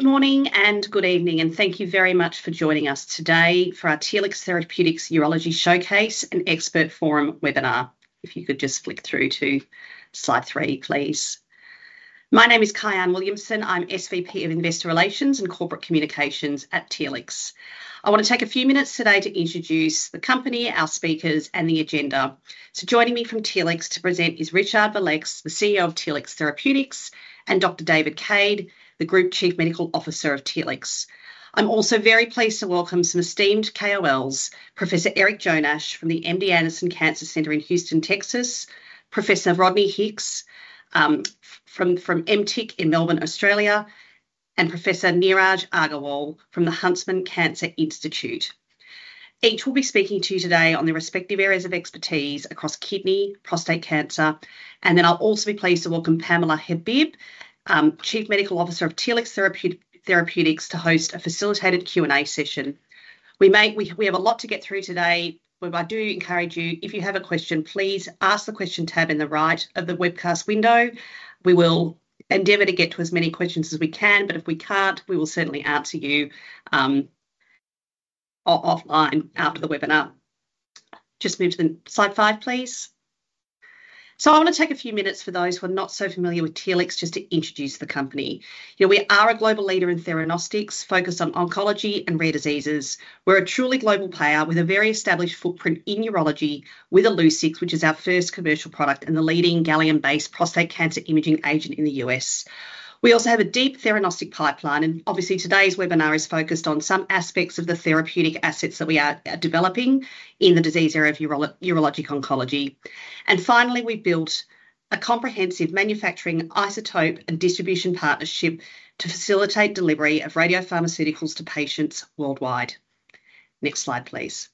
Good morning and good evening, and thank you very much for joining us today for our Telix Pharmaceuticals Urology Showcase and Expert Forum webinar. If you could just flick through to slide three, please. My name is Kyahn Williamson. I'm SVP of Investor Relations and Corporate Communications at Telix. I want to take a few minutes today to introduce the company, our speakers, and the agenda. Joining me from Telix to present is Richard Valeix, the CEO of Telix Pharmaceuticals, anand Dr. David Cade, the Group Chief Medical Officer of Telix. I'm also very pleased to welcome some esteemed KOLs, Professor Eric Jonasch from the MD Anderson Cancer Center in Houston, Texas, Professor Rodney Hicks from MTIC in Melbourne, Australia, and Professor Neeraj Agarwal from the Huntsman Cancer Institute. Each will be speaking to you today on their respective areas of expertise across kidney and prostate cancer. I will also be pleased to welcome Pamela Hidalgo, Chief Medical Officer of Telix Pharmaceuticals, to host a facilitated Q&A session. We have a lot to get through today, but I do encourage you, if you have a question, please ask the question tab in the right of the webcast window. We will endeavour to get to as many questions as we can, but if we cannot, we will certainly answer you offline after the webinar. Please move to slide five. I want to take a few minutes for those who are not so familiar with Telix just to introduce the company. We are a global leader in theranostics focused on oncology and rare diseases. We are a truly global player with a very established footprint in urology with Illuccix, which is our first commercial product and the leading gallium-based prostate cancer imaging agent in the US. We also have a deep theranostic pipeline, and obviously today's webinar is focused on some aspects of the therapeutic assets that we are developing in the disease area of urologic oncology. Finally, we built a comprehensive manufacturing, isotope, and distribution partnership to facilitate delivery of radiopharmaceuticals to patients worldwide. Next slide, please.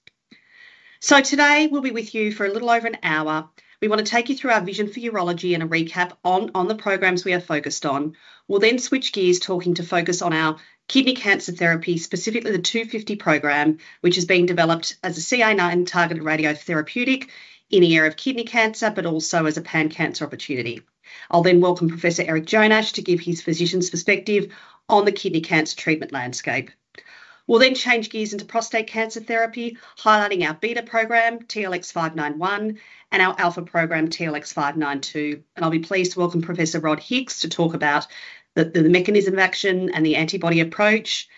Today we'll be with you for a little over an hour. We want to take you through our vision for urology and a recap on the programs we are focused on. We'll then switch gears, talking to focus on our kidney cancer therapy, specifically the 250 program, which is being developed as a CA9 targeted radiotherapeutic in the area of kidney cancer, but also as a pan-cancer opportunity. I'll then welcome Professor Eric Jonasch to give his physician's perspective on the kidney cancer treatment landscape. We'll then change gears into prostate cancer therapy, highlighting our beta program, TLX591, and our alpha program, TLX592. I'll be pleased to welcome Professor Rod Hicks to talk about the mechanism of action and the antibody approach,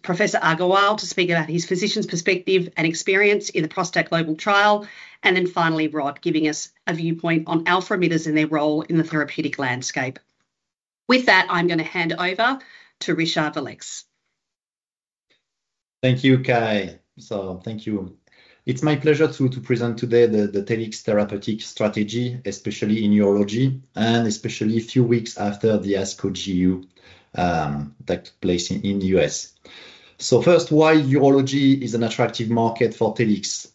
Professor Agarwal to speak about his physician's perspective and experience in the ProstACT Global Trial, and then finally Rod giving us a viewpoint on alpha emitters and their role in the therapeutic landscape. With that, I'm going to hand over to Richard Valeix. Thank you, Kyahn. Thank you. It's my pleasure to present today the Telix therapeutic strategy, especially in urology and especially a few weeks after the ASCO GU took place in the U.S. First, why urology is an attractive market for Telix?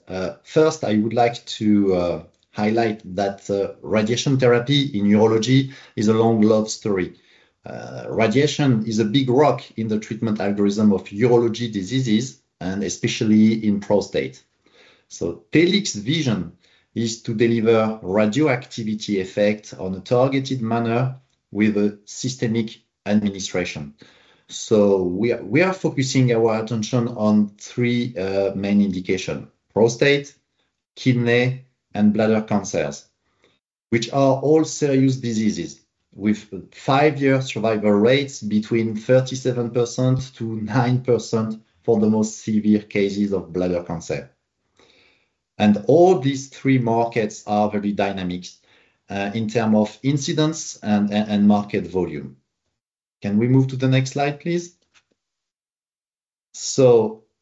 First, I would like to highlight that radiation therapy in urology is a long-loved story. Radiation is a big rock in the treatment algorithm of urology diseases, especially in prostate. Telix's vision is to deliver radioactivity effect on a targeted manner with a systemic administration. We are focusing our attention on three main indications: prostate, kidney, and bladder cancers, which are all serious diseases with five-year survival rates between 37%-9% for the most severe cases of bladder cancer. All these three markets are very dynamic in terms of incidence and market volume. Can we move to the next slide, please?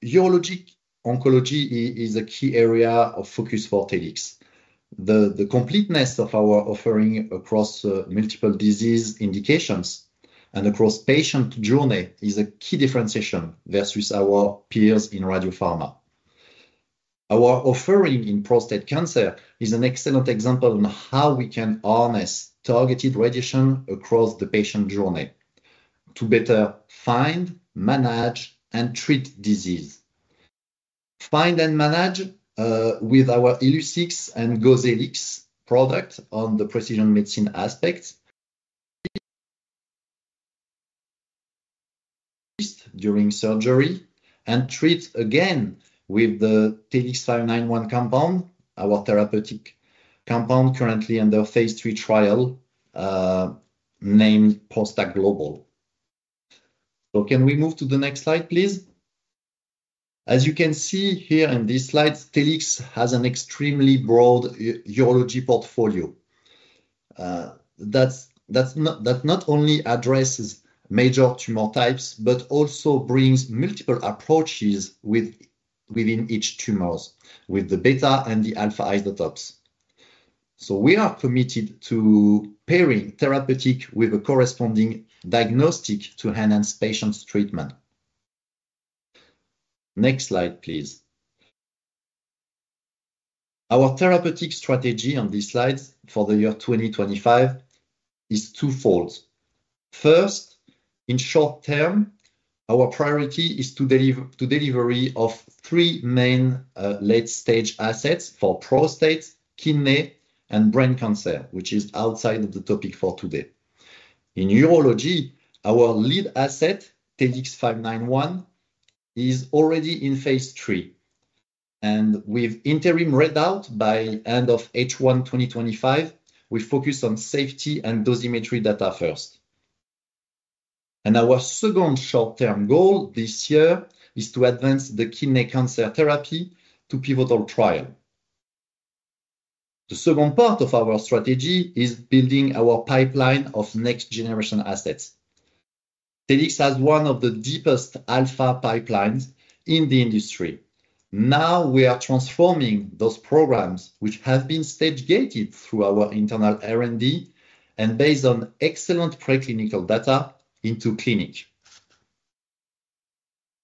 Urologic oncology is a key area of focus for Telix. The completeness of our offering across multiple disease indications and across the patient journey is a key differentiation versus our peers in radiopharma. Our offering in prostate cancer is an excellent example of how we can harness targeted radiation across the patient journey to better find, manage, and treat disease. Find and manage with our Illuccix and Gozellix product on the precision medicine aspect. During surgery and treat again with the TLX591 compound, our therapeutic compound currently under phase III trial named ProstACT Global. Can we move to the next slide, please? As you can see here in these slides, Telix has an extremely broad urology portfolio that not only addresses major tumor types, but also brings multiple approaches within each tumor with the beta and the alpha isotopes. We are committed to pairing therapeutic with a corresponding diagnostic to enhance patient treatment. Next slide, please. Our therapeutic strategy on these slides for the year 2025 is twofold. First, in short term, our priority is to deliver three main late-stage assets for prostate, kidney, and brain cancer, which is outside of the topic for today. In urology, our lead asset, TLX591, is already in phase III. With interim readout by end of H1 2025, we focus on safety and dosimetry data first. Our second short-term goal this year is to advance the kidney cancer therapy to pivotal trial. The second part of our strategy is building our pipeline of next-generation assets. Telix has one of the deepest alpha pipelines in the industry. Now we are transforming those programs which have been stage-gated through our internal R&D and based on excellent preclinical data into clinic.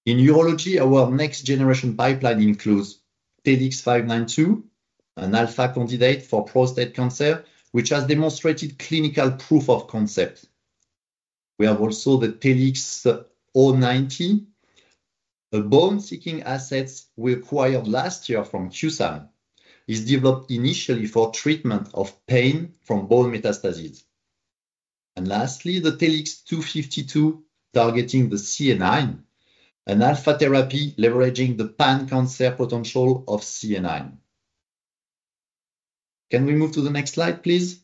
In urology, our next-generation pipeline includes TLX592, an alpha candidate for prostate cancer, which has demonstrated clinical proof of concept. We have also the TLX090, a bone-seeking asset we acquired last year from QSAM. It's developed initially for treatment of pain from bone metastases. Lastly, the TLX252 targeting the CA9, an alpha therapy leveraging the pan-cancer potential of CA9. Can we move to the next slide, please?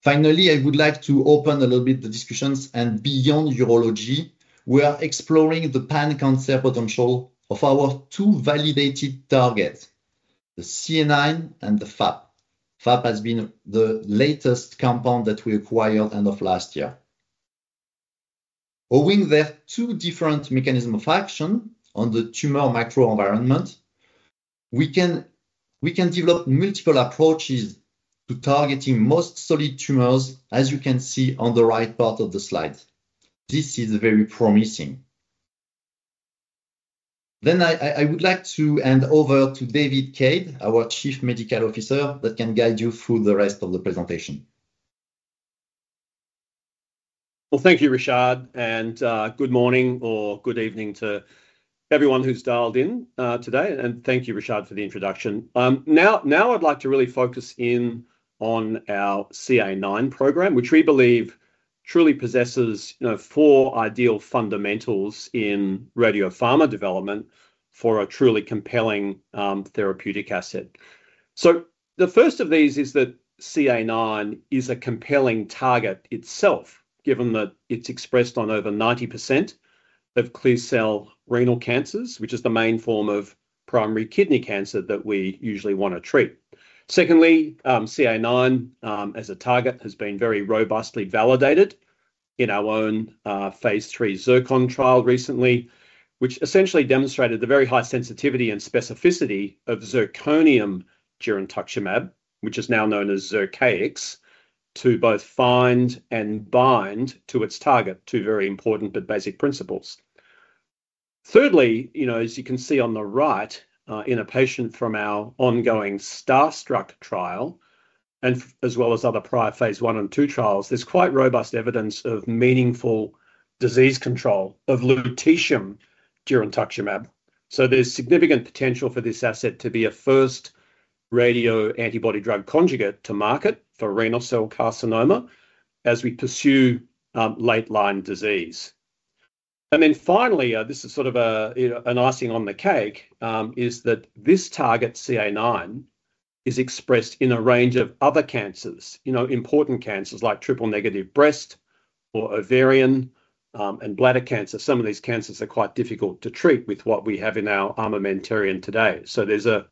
Finally, I would like to open a little bit the discussions and beyond urology. We are exploring the pan-cancer potential of our two validated targets, the CA9 and the FAP. FAP has been the latest compound that we acquired end of last year. Owing there are two different mechanisms of action on the tumor microenvironment, we can develop multiple approaches to targeting most solid tumors, as you can see on the right part of the slide. This is very promising. I would like to hand over to David Cade, our Chief Medical Officer, that can guide you through the rest of the presentation. Thank you, Richard, and good morning or good evening to everyone who's dialled in today. Thank you, Richard, for the introduction. Now I'd like to really focus in on our CA9 program, which we believe truly possesses four ideal fundamentals in radiopharma development for a truly compelling therapeutic asset. The first of these is that CA9 is a compelling target itself, given that it's expressed on over 90% of clear cell renal cancers, which is the main form of primary kidney cancer that we usually want to treat. Secondly, CA9 as a target has been very robustly validated in our own phase III ZIRCON trial recently, which essentially demonstrated the very high sensitivity and specificity of zirconium girentuximab, which is now known as Zircaex, to both find and bind to its target, two very important but basic principles. Thirdly, as you can see on the right, in a patient from our ongoing STARSTRUCK trial, as well as other prior phase I and phase II trials, there's quite robust evidence of meaningful disease control of lutetium girentuximab. There is significant potential for this asset to be a first radio antibody drug conjugate to market for renal cell carcinoma as we pursue late-line disease. Finally, this is sort of an icing on the cake, that this target CA9 is expressed in a range of other cancers, important cancers like triple negative breast or ovarian and bladder cancer. Some of these cancers are quite difficult to treat with what we have in our armamentarium today. There is a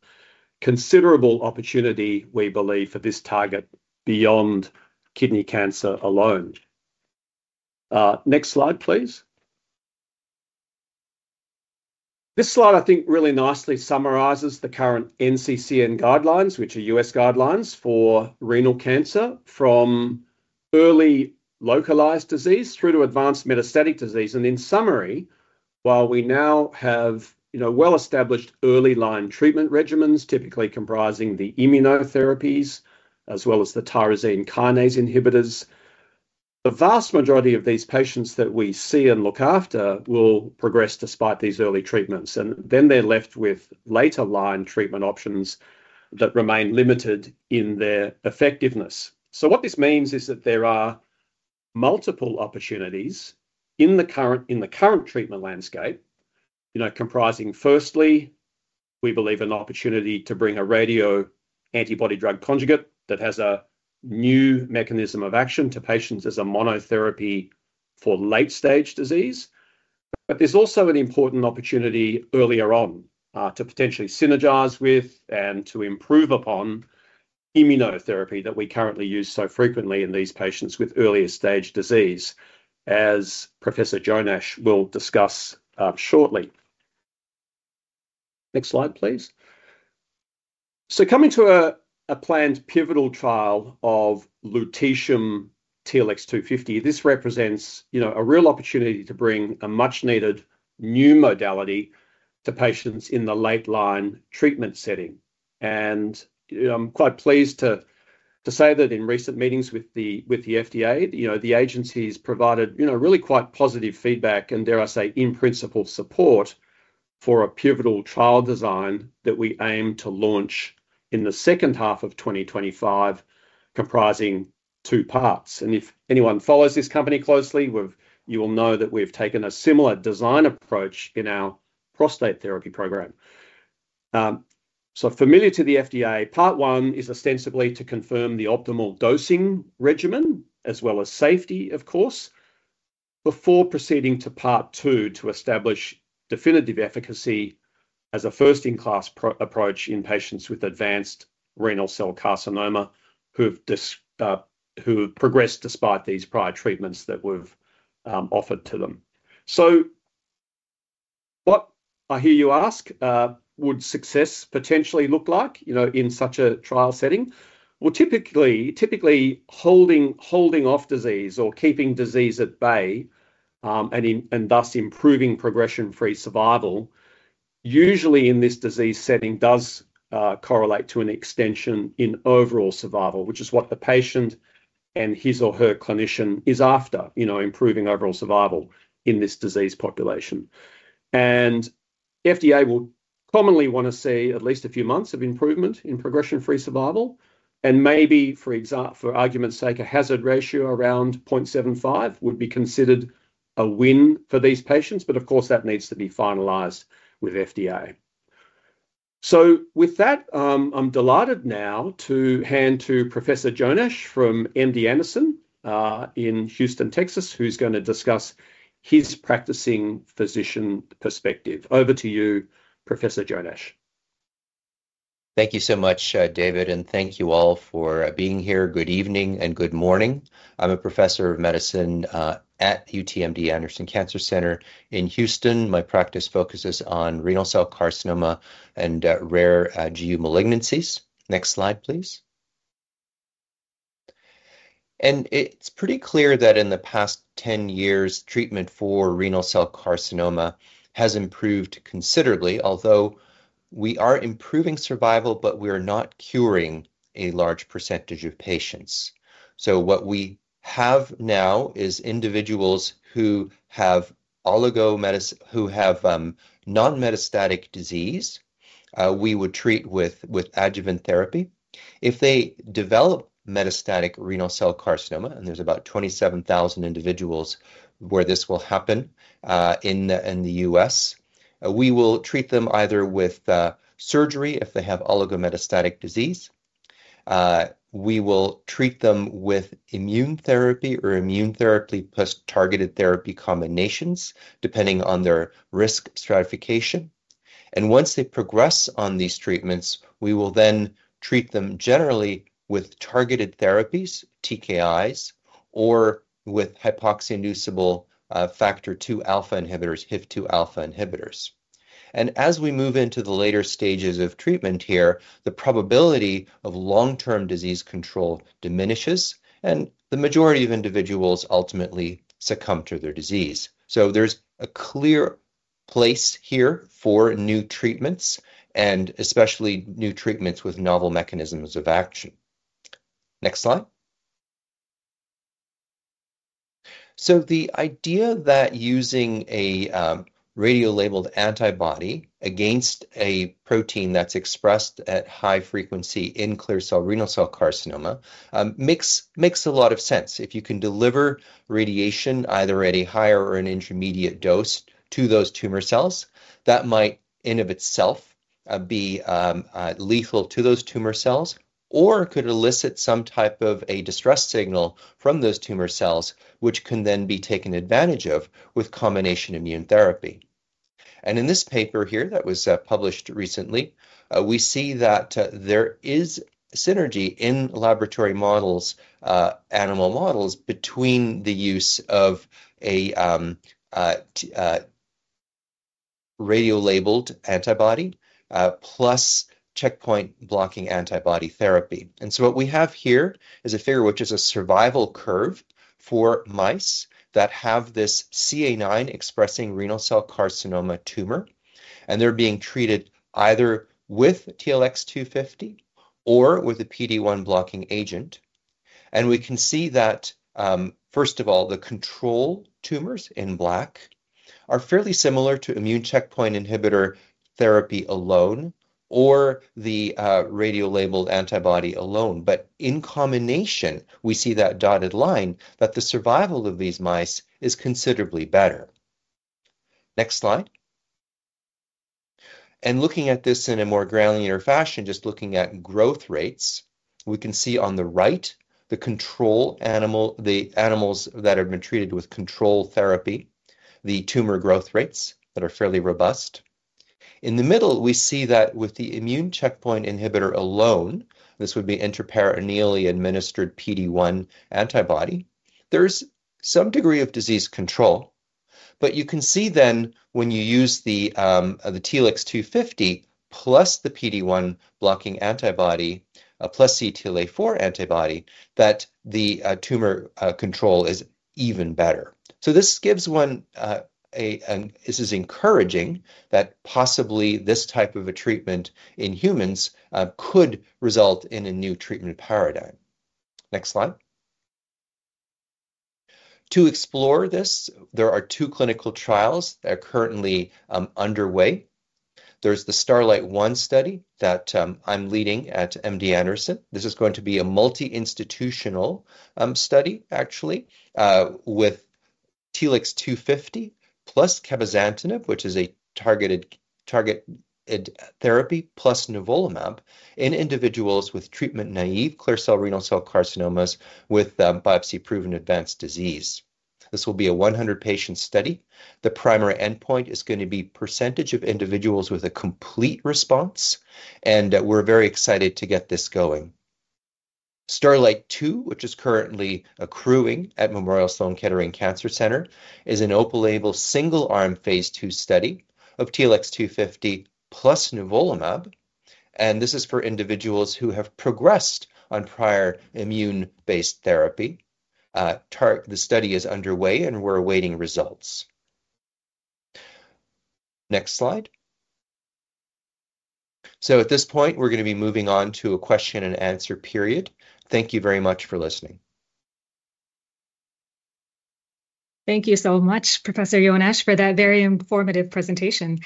considerable opportunity, we believe, for this target beyond kidney cancer alone. Next slide, please. This slide, I think, really nicely summarizes the current NCCN guidelines, which are US guidelines for renal cancer from early localized disease through to advanced metastatic disease. In summary, while we now have well-established early-line treatment regimens, typically comprising the immunotherapies as well as the tyrosine kinase inhibitors, the vast majority of these patients that we see and look after will progress despite these early treatments. They are left with later-line treatment options that remain limited in their effectiveness. What this means is that there are multiple opportunities in the current treatment landscape, comprising firstly, we believe, an opportunity to bring a radio antibody drug conjugate that has a new mechanism of action to patients as a monotherapy for late-stage disease. There is also an important opportunity earlier on to potentially synergize with and to improve upon immunotherapy that we currently use so frequently in these patients with earlier stage disease, as Professor Jonasch will discuss shortly. Next slide, please. Coming to a planned pivotal trial of lutetium TLX250, this represents a real opportunity to bring a much-needed new modality to patients in the late-line treatment setting. I am quite pleased to say that in recent meetings with the FDA, the agency has provided really quite positive feedback, and dare I say, in principle support for a pivotal trial design that we aim to launch in the second half of 2025, comprising two parts. If anyone follows this company closely, you will know that we have taken a similar design approach in our prostate therapy program. Familiar to the FDA, part one is ostensibly to confirm the optimal dosing regimen as well as safety, of course, before proceeding to part two to establish definitive efficacy as a first-in-class approach in patients with advanced renal cell carcinoma who have progressed despite these prior treatments that we've offered to them. What I hear you ask, would success potentially look like in such a trial setting? Typically, holding off disease or keeping disease at bay and thus improving progression-free survival usually in this disease setting does correlate to an extension in overall survival, which is what the patient and his or her clinician is after, improving overall survival in this disease population. The FDA will commonly want to see at least a few months of improvement in progression-free survival. Maybe, for argument's sake, a hazard ratio around 0.75 would be considered a win for these patients. Of course, that needs to be finalised with the FDA. With that, I'm delighted now to hand to Professor Jonasch from MD Anderson in Houston, Texas, who's going to discuss his practising physician perspective. Over to you, Professor Jonasch. Thank you so much, David, and thank you all for being here. Good evening and good morning. I'm a professor of medicine at MD Anderson Cancer Center in Houston. My practice focuses on renal cell carcinoma and rare GU malignancies. Next slide, please. It is pretty clear that in the past 10 years, treatment for renal cell carcinoma has improved considerably, although we are improving survival, but we are not curing a large percentage of patients. What we have now is individuals who have non-metastatic disease we would treat with adjuvant therapy. If they develop metastatic renal cell carcinoma, and there are about 27,000 individuals where this will happen in the US, we will treat them either with surgery if they have oligometastatic disease. We will treat them with immune therapy or immune therapy plus targeted therapy combinations, depending on their risk stratification. Once they progress on these treatments, we will then treat them generally with targeted therapies, TKIs, or with hypoxia-inducible factor II alpha inhibitors, HIF2 alpha inhibitors. As we move into the later stages of treatment here, the probability of long-term disease control diminishes, and the majority of individuals ultimately succumb to their disease. There is a clear place here for new treatments, and especially new treatments with novel mechanisms of action. Next slide. The idea that using a radio-labelled antibody against a protein that's expressed at high frequency in clear cell renal cell carcinoma makes a lot of sense. If you can deliver radiation either at a higher or an intermediate dose to those tumor cells, that might in and of itself be lethal to those tumor cells or could elicit some type of a distress signal from those tumor cells, which can then be taken advantage of with combination immune therapy. In this paper here that was published recently, we see that there is synergy in laboratory models, animal models, between the use of a radio-labeled antibody plus checkpoint blocking antibody therapy. What we have here is a figure which is a survival curve for mice that have this CA9 expressing renal cell carcinoma tumor, and they're being treated either with TLX250 or with a PD-1 blocking agent. We can see that, first of all, the control tumors in black are fairly similar to immune checkpoint inhibitor therapy alone or the radio-labeled antibody alone. In combination, we see that dotted line that the survival of these mice is considerably better. Next slide. Looking at this in a more granular fashion, just looking at growth rates, we can see on the right the animals that have been treated with control therapy, the tumour growth rates that are fairly robust. In the middle, we see that with the immune checkpoint inhibitor alone, this would be intraperitoneally administered PD-1 antibody, there's some degree of disease control. You can see then when you use the TLX250 plus the PD-1 blocking antibody plus CTLA4 antibody that the tumour control is even better. This gives one, this is encouraging that possibly this type of a treatment in humans could result in a new treatment paradigm. Next slide. To explore this, there are two clinical trials that are currently underway. There's the STARLITE-1 study that I'm leading at MD Anderson. This is going to be a multi-institutional study, actually, with TLX250 plus cabozantinib, which is a targeted therapy, plus nivolumab in individuals with treatment-naive clear cell renal cell carcinomas with biopsy-proven advanced disease. This will be a 100-patient study. The primary endpoint is going to be percentage of individuals with a complete response. We're very excited to get this going. STARLITE-2, which is currently accruing at Memorial Sloan Kettering Cancer Center, is an open-label single-arm phase II study of TLX250 plus nivolumab. This is for individuals who have progressed on prior immune-based therapy. The study is underway, and we're awaiting results. Next slide. At this point, we're going to be moving on to a question and answer period. Thank you very much for listening. Thank you so much, Professor Jonasch, for that very informative presentation.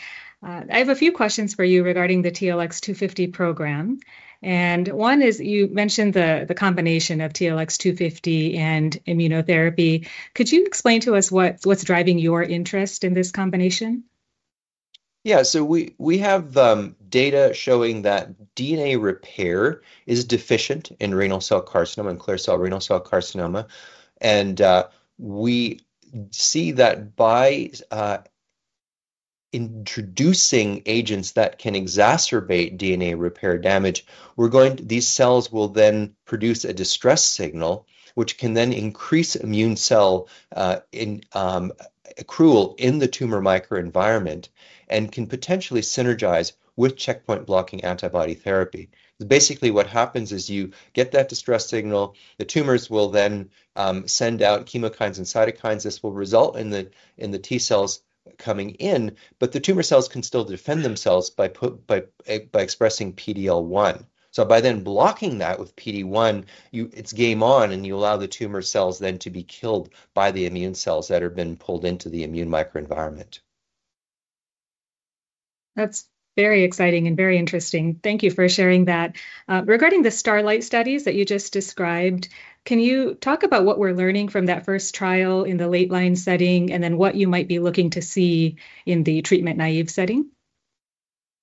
I have a few questions for you regarding the TLX250 program. One is you mentioned the combination of TLX250 and immunotherapy. Could you explain to us what's driving your interest in this combination? Yeah. We have data showing that DNA repair is deficient in renal cell carcinoma and clear cell renal cell carcinoma. We see that by introducing agents that can exacerbate DNA repair damage, these cells will then produce a distress signal, which can then increase immune cell accrual in the tumor microenvironment and can potentially synergize with checkpoint blocking antibody therapy. Basically, what happens is you get that distress signal. The tumors will then send out chemokines and cytokines. This will result in the T cells coming in, but the tumor cells can still defend themselves by expressing PD-L1. By then blocking that with PD-1, it's game on, and you allow the tumor cells then to be killed by the immune cells that have been pulled into the immune microenvironment. That's very exciting and very interesting. Thank you for sharing that. Regarding the STARLITE studies that you just described, can you talk about what we're learning from that first trial in the late-line setting and then what you might be looking to see in the treatment naive setting?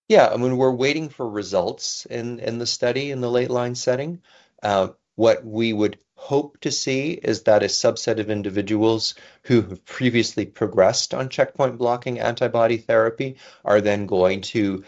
Yeah. I mean, we're waiting for results in the study in the late-line setting. What we would hope to see is that a subset of individuals who have previously progressed on checkpoint blocking antibody therapy are then going to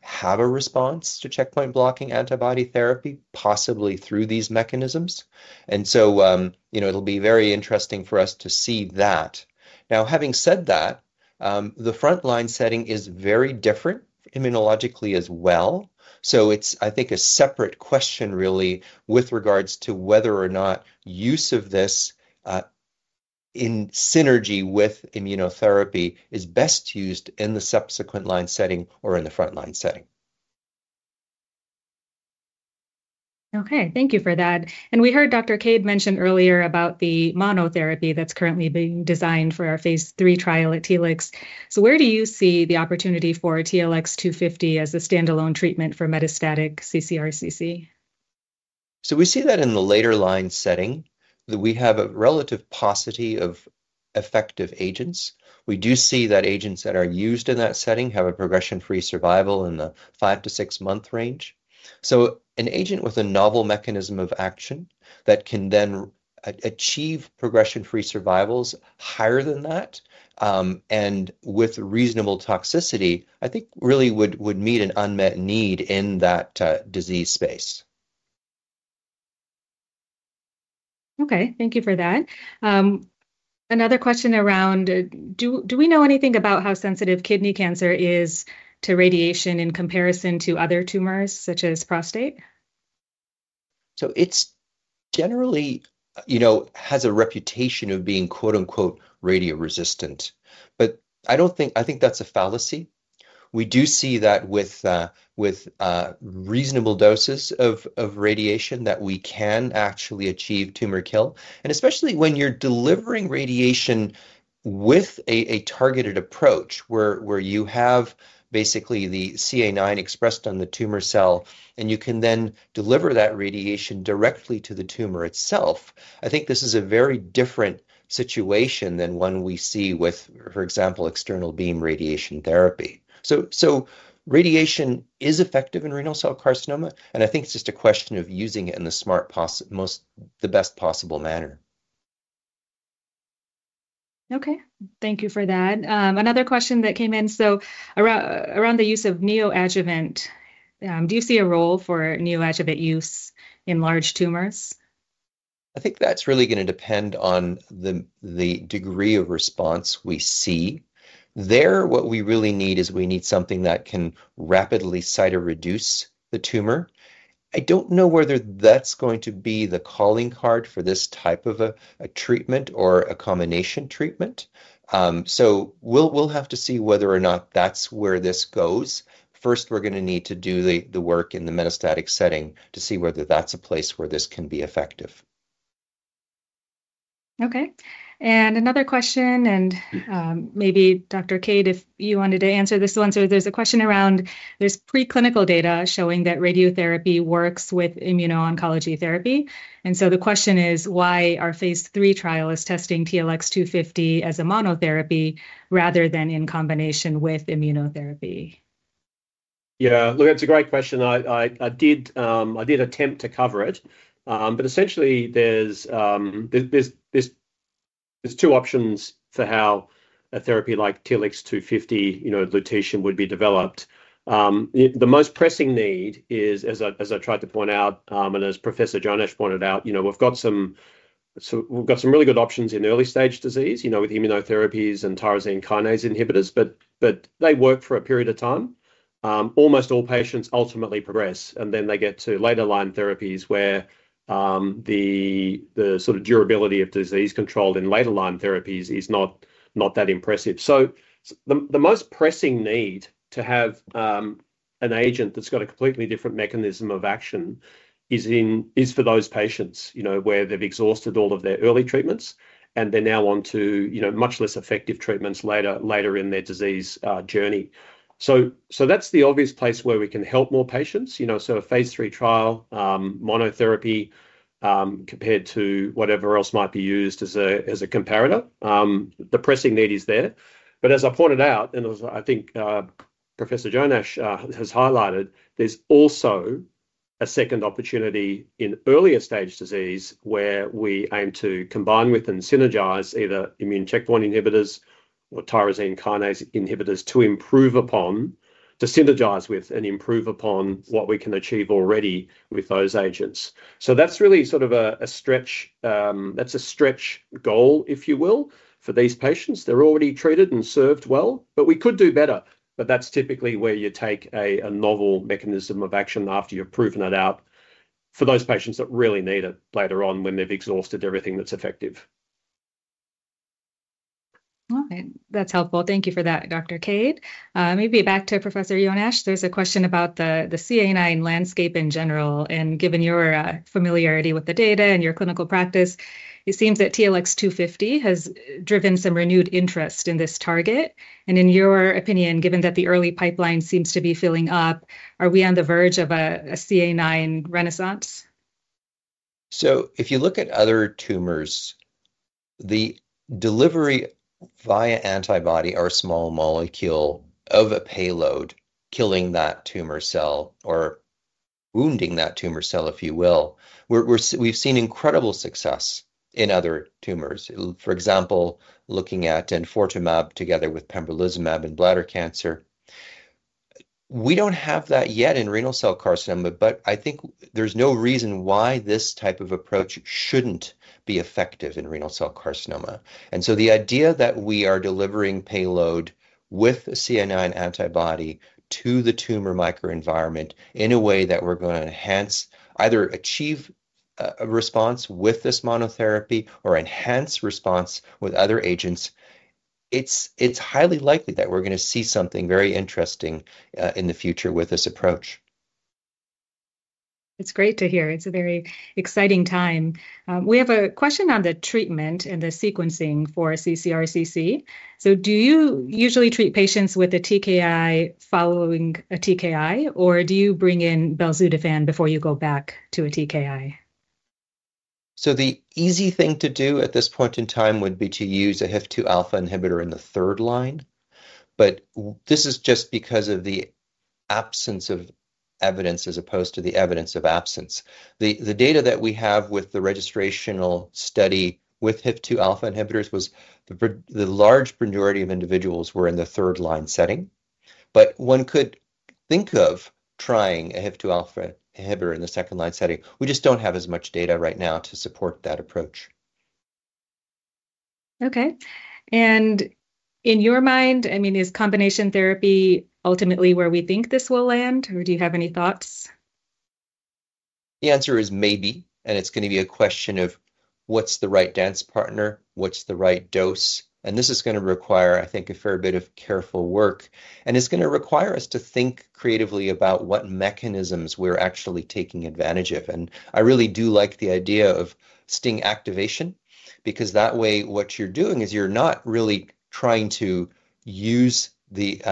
have a response to checkpoint blocking antibody therapy, possibly through these mechanisms. It'll be very interesting for us to see that. Now, having said that, the front-line setting is very different immunologically as well. I think it's a separate question, really, with regards to whether or not use of this in synergy with immunotherapy is best used in the subsequent line setting or in the front-line setting. Okay. Thank you for that. We heard Dr. Cade mention earlier about the monotherapy that's currently being designed for our phase III trial at TLX. Where do you see the opportunity for TLX250 as a standalone treatment for metastatic CCRCC? We see that in the later-line setting that we have a relative paucity of effective agents. We do see that agents that are used in that setting have a progression-free survival in the five- to six-month range. An agent with a novel mechanism of action that can then achieve progression-free survivals higher than that and with reasonable toxicity, I think really would meet an unmet need in that disease space. Okay. Thank you for that. Another question around, do we know anything about how sensitive kidney cancer is to radiation in comparison to other tumours, such as prostate? It generally has a reputation of being "radio-resistant," but I think that's a fallacy. We do see that with reasonable doses of radiation that we can actually achieve tumour kill. Especially when you're delivering radiation with a targeted approach where you have basically the CA9 expressed on the tumour cell, and you can then deliver that radiation directly to the tumour itself, I think this is a very different situation than one we see with, for example, external beam radiation therapy. Radiation is effective in renal cell carcinoma, and I think it's just a question of using it in the best possible manner. Okay. Thank you for that. Another question that came in. Around the use of neoadjuvant, do you see a role for neoadjuvant use in large tumours? I think that's really going to depend on the degree of response we see. There, what we really need is we need something that can rapidly cytoreduce the tumor. I don't know whether that's going to be the calling card for this type of a treatment or a combination treatment. We'll have to see whether or not that's where this goes. First, we're going to need to do the work in the metastatic setting to see whether that's a place where this can be effective. Okay. Another question, and maybe Dr. Cade, if you wanted to answer this one. There's a question around there's preclinical data showing that radiotherapy works with immuno-oncology therapy. The question is, why are phase III trials testing TLX250 as a monotherapy rather than in combination with immunotherapy? Yeah. Look, it's a great question. I did attempt to cover it, but essentially, there's two options for how a therapy like TLX250, Lutetium, would be developed. The most pressing need is, as I tried to point out, and as Professor Jonasch pointed out, we've got some really good options in early-stage disease with immunotherapies and tyrosine kinase inhibitors, but they work for a period of time. Almost all patients ultimately progress, and they get to later-line therapies where the sort of durability of disease control in later-line therapies is not that impressive. The most pressing need to have an agent that's got a completely different mechanism of action is for those patients where they've exhausted all of their early treatments, and they're now on to much less effective treatments later in their disease journey. That's the obvious place where we can help more patients. A phase III trial, monotherapy compared to whatever else might be used as a comparator, the pressing need is there. As I pointed out, and I think Professor Jonasch has highlighted, there's also a second opportunity in earlier-stage disease where we aim to combine with and synergize either immune checkpoint inhibitors or tyrosine kinase inhibitors to improve upon, to synergize with and improve upon what we can achieve already with those agents. That's really sort of a stretch goal, if you will, for these patients. They're already treated and served well, but we could do better. That's typically where you take a novel mechanism of action after you've proven it out for those patients that really need it later on when they've exhausted everything that's effective. Okay. That's helpful. Thank you for that, Dr. Cade. Maybe back to Professor Jonasch. There's a question about the CA9 landscape in general. Given your familiarity with the data and your clinical practice, it seems that TLX250 has driven some renewed interest in this target. In your opinion, given that the early pipeline seems to be filling up, are we on the verge of a CA9 renaissance? If you look at other tumours, the delivery via antibody or small molecule of a payload killing that tumour cell or wounding that tumour cell, if you will, we've seen incredible success in other tumours. For example, looking at enfortamab together with pembrolizumab in bladder cancer, we don't have that yet in renal cell carcinoma, but I think there's no reason why this type of approach shouldn't be effective in renal cell carcinoma. The idea that we are delivering payload with a CA9 antibody to the tumour microenvironment in a way that we're going to enhance either achieve a response with this monotherapy or enhance response with other agents, it's highly likely that we're going to see something very interesting in the future with this approach. It's great to hear. It's a very exciting time. We have a question on the treatment and the sequencing for ccRCC. Do you usually treat patients with a TKI following a TKI, or do you bring in belzutifan before you go back to a TKI? The easy thing to do at this point in time would be to use a HIF-2 alpha inhibitor in the third line. This is just because of the absence of evidence as opposed to the evidence of absence. The data that we have with the registrational study with HIF-2 alpha inhibitors was the large majority of individuals were in the third-line setting. One could think of trying a HIF-2 alpha inhibitor in the second-line setting. We just do not have as much data right now to support that approach. Okay. In your mind, I mean, is combination therapy ultimately where we think this will land, or do you have any thoughts? The answer is maybe. It's going to be a question of what's the right dance partner, what's the right dose. This is going to require, I think, a fair bit of careful work. It's going to require us to think creatively about what mechanisms we're actually taking advantage of. I really do like the idea of sting activation because that way, what you're doing is you're not really trying to use the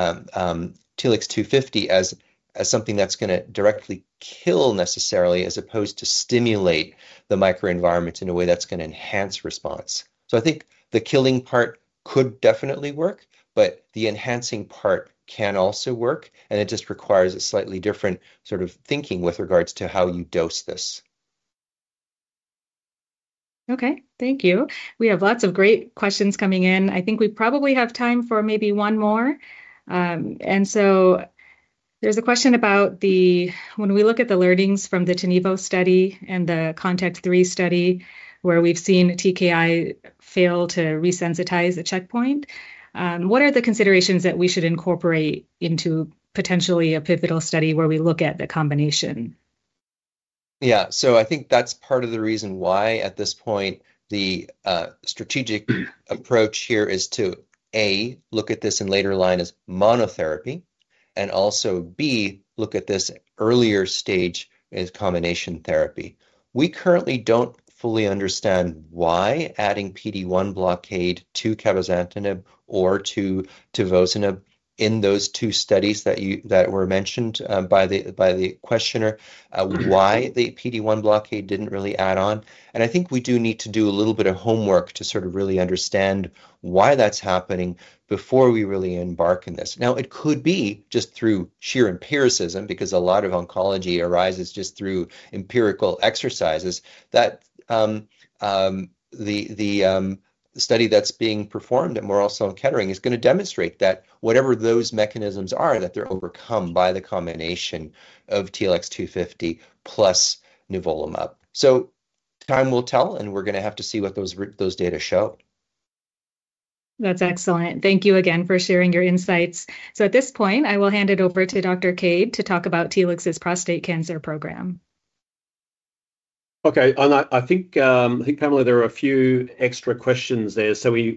TLX250 as something that's going to directly kill necessarily as opposed to stimulate the microenvironment in a way that's going to enhance response. I think the killing part could definitely work, but the enhancing part can also work. It just requires a slightly different sort of thinking with regards to how you dose this. Okay. Thank you. We have lots of great questions coming in. I think we probably have time for maybe one more. There is a question about when we look at the learnings from the TiNivo study and the CONTACT-03 study where we've seen TKI fail to resensitise the checkpoint, what are the considerations that we should incorporate into potentially a pivotal study where we look at the combination? Yeah. I think that's part of the reason why at this point the strategic approach here is to, A, look at this in later line as monotherapy, and also, B, look at this earlier stage as combination therapy. We currently don't fully understand why adding PD-1 blockade to cabozantinib or to tivozinib in those two studies that were mentioned by the questioner, why the PD-1 blockade didn't really add on. I think we do need to do a little bit of homework to sort of really understand why that's happening before we really embark in this. Now, it could be just through sheer empiricism because a lot of oncology arises just through empirical exercises. The study that's being performed at Memorial Sloan Kettering is going to demonstrate that whatever those mechanisms are, that they're overcome by the combination of TLX250 plus nivolumab. Time will tell, and we're going to have to see what those data show. That's excellent. Thank you again for sharing your insights. At this point, I will hand it over to Dr. Cade to talk about TLX's prostate cancer program. Okay. I think, Pamela, there are a few extra questions there. We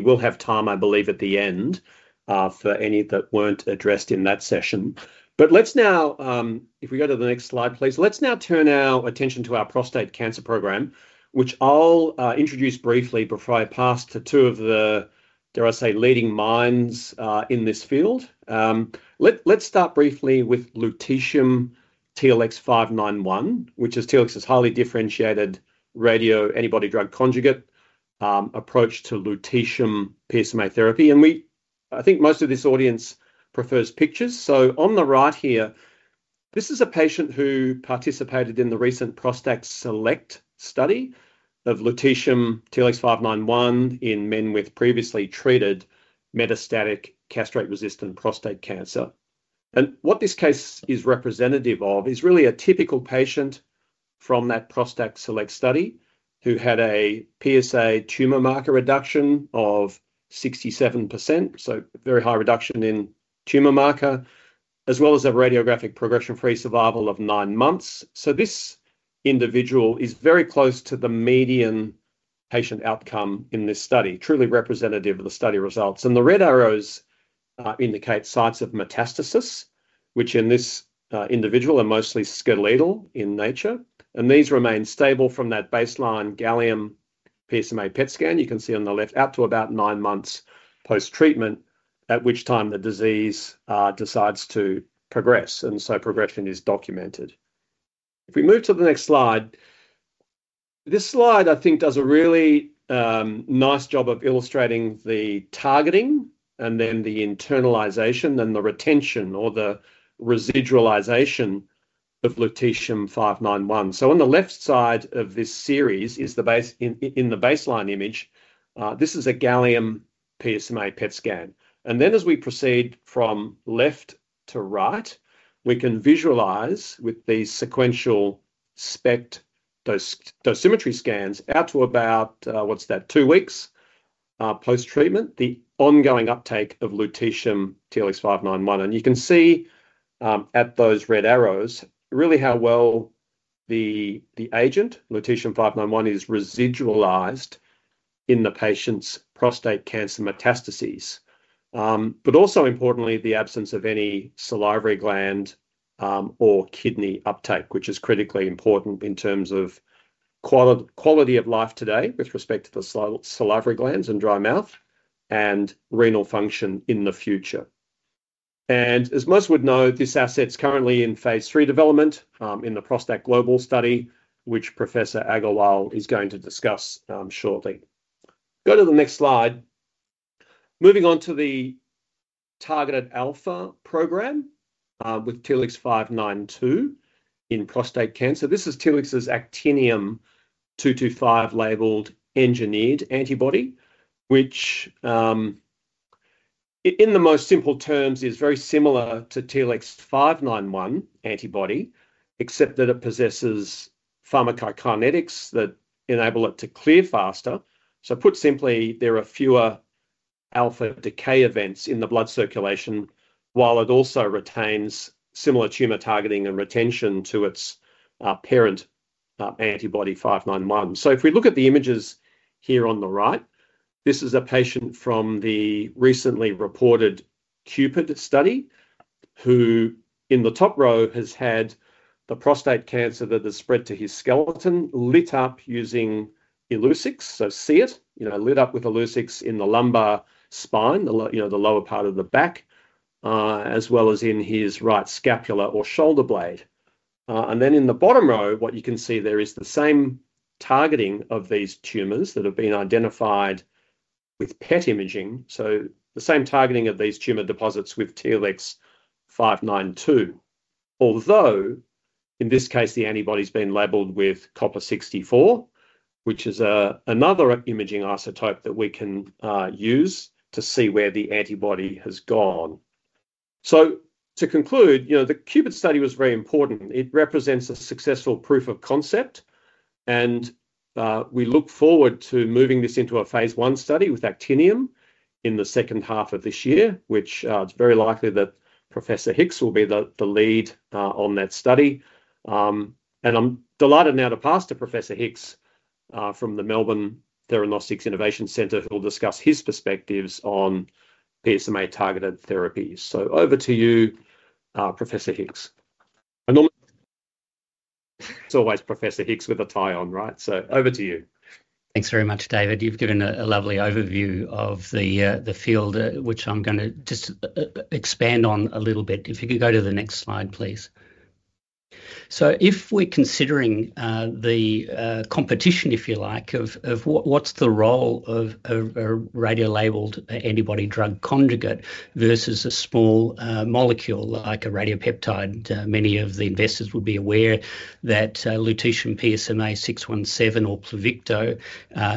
will have time, I believe, at the end for any that were not addressed in that session. If we go to the next slide, please, let's now turn our attention to our prostate cancer program, which I'll introduce briefly before I pass to two of the, dare I say, leading minds in this field. Let's start briefly with Lutetium TLX591, which is Telix's highly differentiated radio-antibody drug conjugate approach to Lutetium PSMA therapy. I think most of this audience prefers pictures. On the right here, this is a patient who participated in the recent ProstACT Select study of Lutetium TLX591 in men with previously treated metastatic castration-resistant prostate cancer. What this case is representative of is really a typical patient from that ProstACT Select study who had a PSA tumor marker reduction of 67%, so very high reduction in tumor marker, as well as a radiographic progression-free survival of nine months. This individual is very close to the median patient outcome in this study, truly representative of the study results. The red arrows indicate sites of metastasis, which in this individual are mostly skeletal in nature. These remain stable from that baseline gallium PSMA PET scan you can see on the left out to about nine months post-treatment, at which time the disease decides to progress. Progression is documented. If we move to the next slide, this slide, I think, does a really nice job of illustrating the targeting and then the internalization and the retention or the residualization of Lutetium 591. On the left side of this series is the baseline image. This is a gallium PSMA PET scan. As we proceed from left to right, we can visualize with these sequential SPECT dosimetry scans out to about, what's that, two weeks post-treatment, the ongoing uptake of Lutetium TLX591. You can see at those red arrows really how well the agent, Lutetium 591, is residualized in the patient's prostate cancer metastases, but also importantly, the absence of any salivary gland or kidney uptake, which is critically important in terms of quality of life today with respect to the salivary glands and dry mouth and renal function in the future. As most would know, this asset's currently in phase III development in the ProstACT Global study, which Professor Agarwal is going to discuss shortly. Go to the next slide. Moving on to the targeted alpha program with TLX592 in prostate cancer. This is Telix's actinium-225 labelled engineered antibody, which in the most simple terms is very similar to the TLX591 antibody, except that it possesses pharmacokinetics that enable it to clear faster. Put simply, there are fewer alpha decay events in the blood circulation, while it also retains similar tumor targeting and retention to its parent antibody 591. If we look at the images here on the right, this is a patient from the recently reported CUPID study who in the top row has had the prostate cancer that has spread to his skeleton lit up using Illuccix, so see it, lit up with Illuccix in the lumbar spine, the lower part of the back, as well as in his right scapula or shoulder blade. Then in the bottom row, what you can see there is the same targeting of these tumors that have been identified with PET imaging, so the same targeting of these tumor deposits with TLX592, although in this case, the antibody's been labeled with copper 64, which is another imaging isotope that we can use to see where the antibody has gone. To conclude, the CUPID study was very important. It represents a successful proof of concept. We look forward to moving this into a phase I study with actinium in the second half of this year, which it's very likely that Professor Hicks will be the lead on that study. I'm delighted now to pass to Professor Hicks from the Melbourne Theranostics Innovation Centre who will discuss his perspectives on PSMA targeted therapies. Over to you, Professor Hicks. As always, Professor Hicks with a tie on, right? Over to you. Thanks very much, David. You've given a lovely overview of the field, which I'm going to just expand on a little bit. If you could go to the next slide, please. If we're considering the competition, if you like, of what's the role of a radio-labelled antibody drug conjugate versus a small molecule like a radiopeptide, many of the investors would be aware that lutetium PSMA 617 or Pluvicto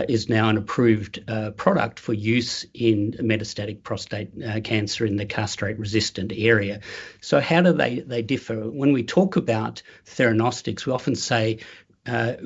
is now an approved product for use in metastatic prostate cancer in the castrate-resistant area. How do they differ? When we talk about theranostics, we often say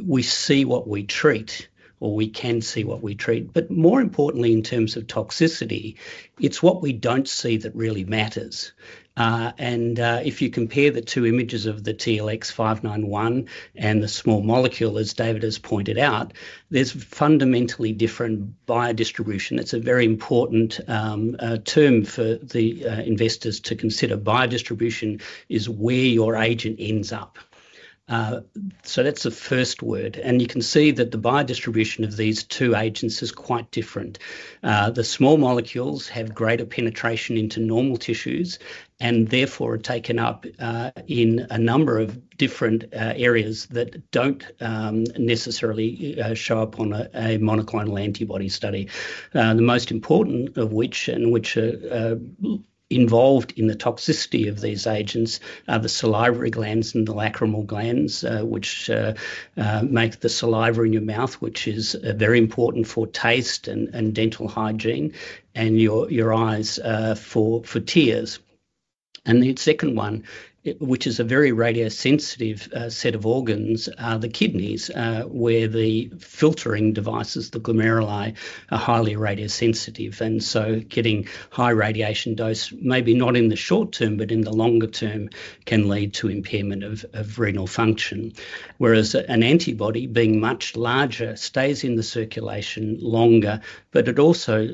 we see what we treat or we can see what we treat. More importantly, in terms of toxicity, it's what we don't see that really matters. If you compare the two images of the TLX591 and the small molecule, as David has pointed out, there's fundamentally different biodistribution. It's a very important term for the investors to consider. Biodistribution is where your agent ends up. That's the first word. You can see that the biodistribution of these two agents is quite different. The small molecules have greater penetration into normal tissues and therefore are taken up in a number of different areas that don't necessarily show up on a monoclonal antibody study. The most important of which, and which are involved in the toxicity of these agents, are the salivary glands and the lacrimal glands, which make the saliva in your mouth, which is very important for taste and dental hygiene, and your eyes for tears. The second one, which is a very radiosensitive set of organs, are the kidneys, where the filtering devices, the glomeruli, are highly radiosensitive. Getting high radiation dose, maybe not in the short term, but in the longer term, can lead to impairment of renal function, whereas an antibody being much larger stays in the circulation longer, but it also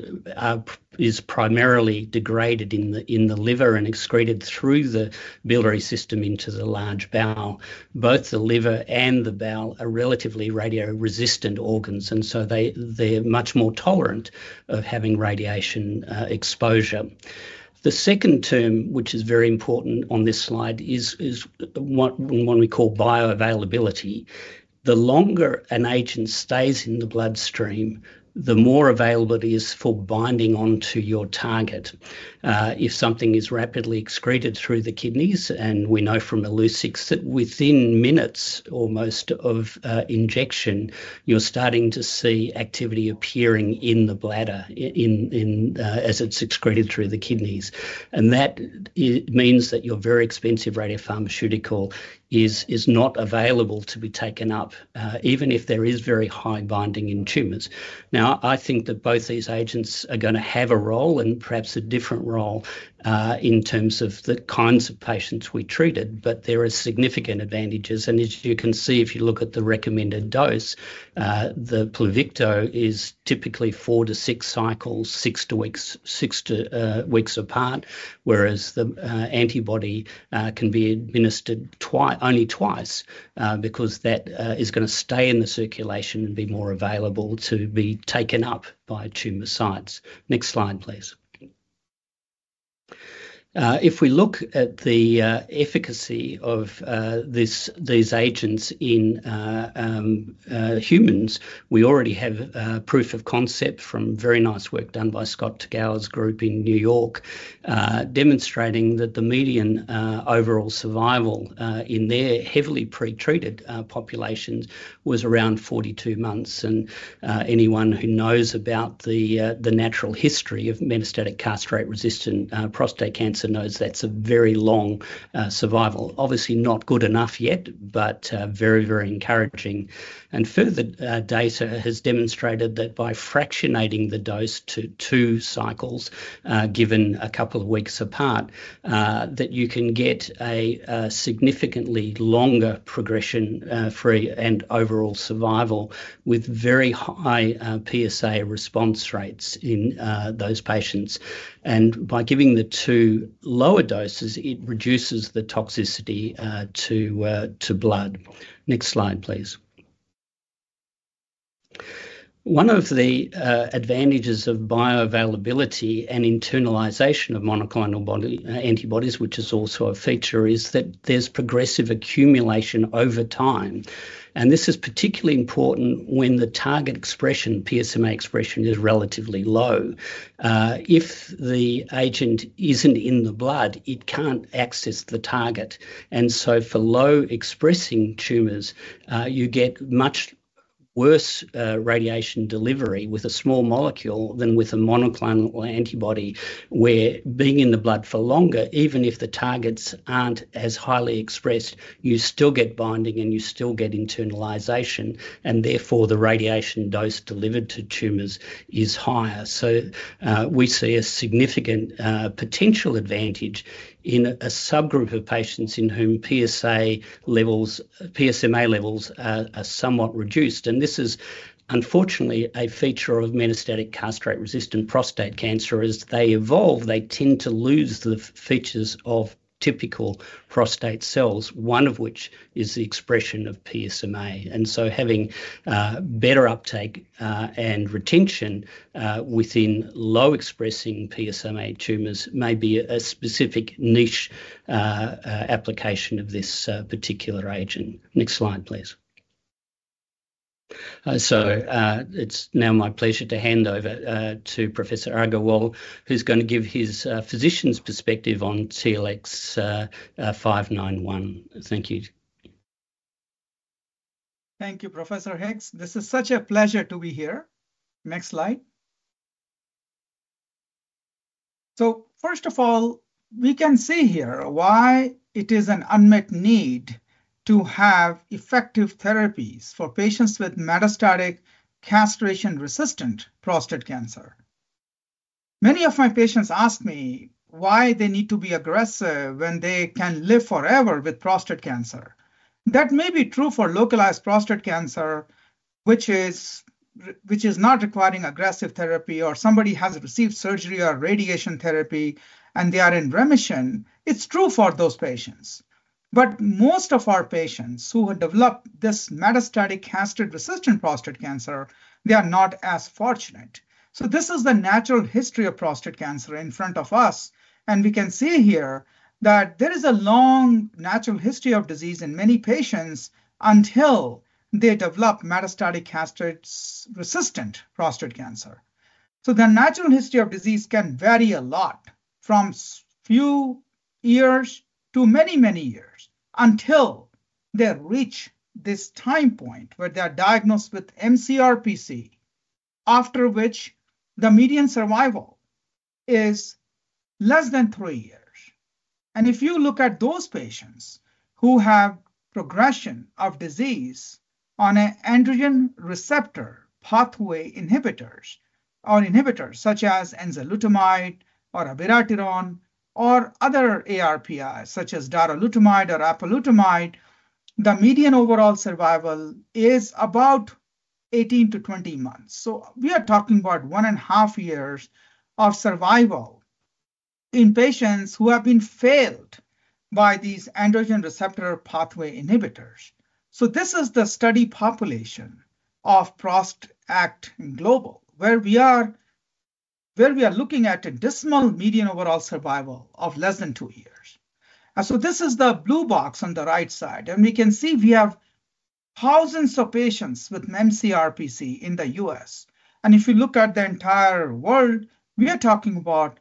is primarily degraded in the liver and excreted through the biliary system into the large bowel. Both the liver and the bowel are relatively radio-resistant organs. They are much more tolerant of having radiation exposure. The second term, which is very important on this slide, is what we call bioavailability. The longer an agent stays in the bloodstream, the more available it is for binding onto your target. If something is rapidly excreted through the kidneys, and we know from Illuccix that within minutes almost of injection, you're starting to see activity appearing in the bladder as it's excreted through the kidneys. That means that your very expensive radiopharmaceutical is not available to be taken up, even if there is very high binding in tumors. I think that both these agents are going to have a role and perhaps a different role in terms of the kinds of patients we treated, but there are significant advantages. As you can see, if you look at the recommended dose, the Pluvicto is typically four to six cycles, six weeks apart, whereas the antibody can be administered only twice because that is going to stay in the circulation and be more available to be taken up by tumor sites. Next slide, please. If we look at the efficacy of these agents in humans, we already have proof of concept from very nice work done by Scott Tagawa's group in New York, demonstrating that the median overall survival in their heavily pretreated populations was around 42 months. Anyone who knows about the natural history of metastatic castration-resistant prostate cancer knows that's a very long survival. Obviously, not good enough yet, but very, very encouraging. Further data has demonstrated that by fractionating the dose to two cycles, given a couple of weeks apart, you can get a significantly longer progression-free and overall survival with very high PSA response rates in those patients. By giving the two lower doses, it reduces the toxicity to blood. Next slide, please. One of the advantages of bioavailability and internalization of monoclonal antibodies, which is also a feature, is that there's progressive accumulation over time. This is particularly important when the target expression, PSMA expression, is relatively low. If the agent isn't in the blood, it can't access the target. For low-expressing tumours, you get much worse radiation delivery with a small molecule than with a monoclonal antibody, where being in the blood for longer, even if the targets aren't as highly expressed, you still get binding and you still get internalisation. Therefore, the radiation dose delivered to tumours is higher. We see a significant potential advantage in a subgroup of patients in whom PSMA levels are somewhat reduced. This is, unfortunately, a feature of metastatic castration-resistant prostate cancer. As they evolve, they tend to lose the features of typical prostate cells, one of which is the expression of PSMA. Having better uptake and retention within low-expressing PSMA tumors may be a specific niche application of this particular agent. Next slide, please. It is now my pleasure to hand over to Professor Agarwal, who is going to give his physician's perspective on TLX591. Thank you. Thank you, Professor Hicks. This is such a pleasure to be here. Next slide. First of all, we can see here why it is an unmet need to have effective therapies for patients with metastatic castration-resistant prostate cancer. Many of my patients ask me why they need to be aggressive when they can live forever with prostate cancer. That may be true for localized prostate cancer, which is not requiring aggressive therapy, or somebody has received surgery or radiation therapy, and they are in remission. It's true for those patients. Most of our patients who have developed this metastatic castration-resistant prostate cancer, they are not as fortunate. This is the natural history of prostate cancer in front of us. We can see here that there is a long natural history of disease in many patients until they develop metastatic castration-resistant prostate cancer. The natural history of disease can vary a lot from a few years to many, many years until they reach this time point where they're diagnosed with mCRPC, after which the median survival is less than three years. If you look at those patients who have progression of disease on an androgen receptor pathway inhibitor or inhibitors such as enzalutamide or abiraterone or other ARPIs such as darolutamide or apalutamide, the median overall survival is about 18-20 months. We are talking about one and a half years of survival in patients who have been failed by these androgen receptor pathway inhibitors. This is the study population of ProstACT Global, where we are looking at a decimal median overall survival of less than two years. This is the blue box on the right side. We can see we have thousands of patients with mCRPC in the US. If you look at the entire world, we are talking about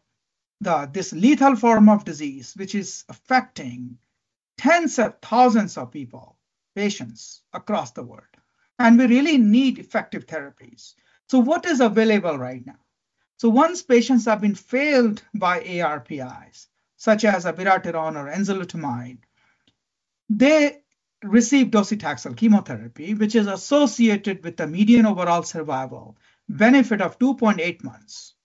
this lethal form of disease, which is affecting tens of thousands of people, patients across the world. We really need effective therapies. What is available right now? Once patients have been failed by ARPIs such as abiraterone or enzalutamide, they receive docetaxel chemotherapy, which is associated with the median overall survival benefit of 2.8 months.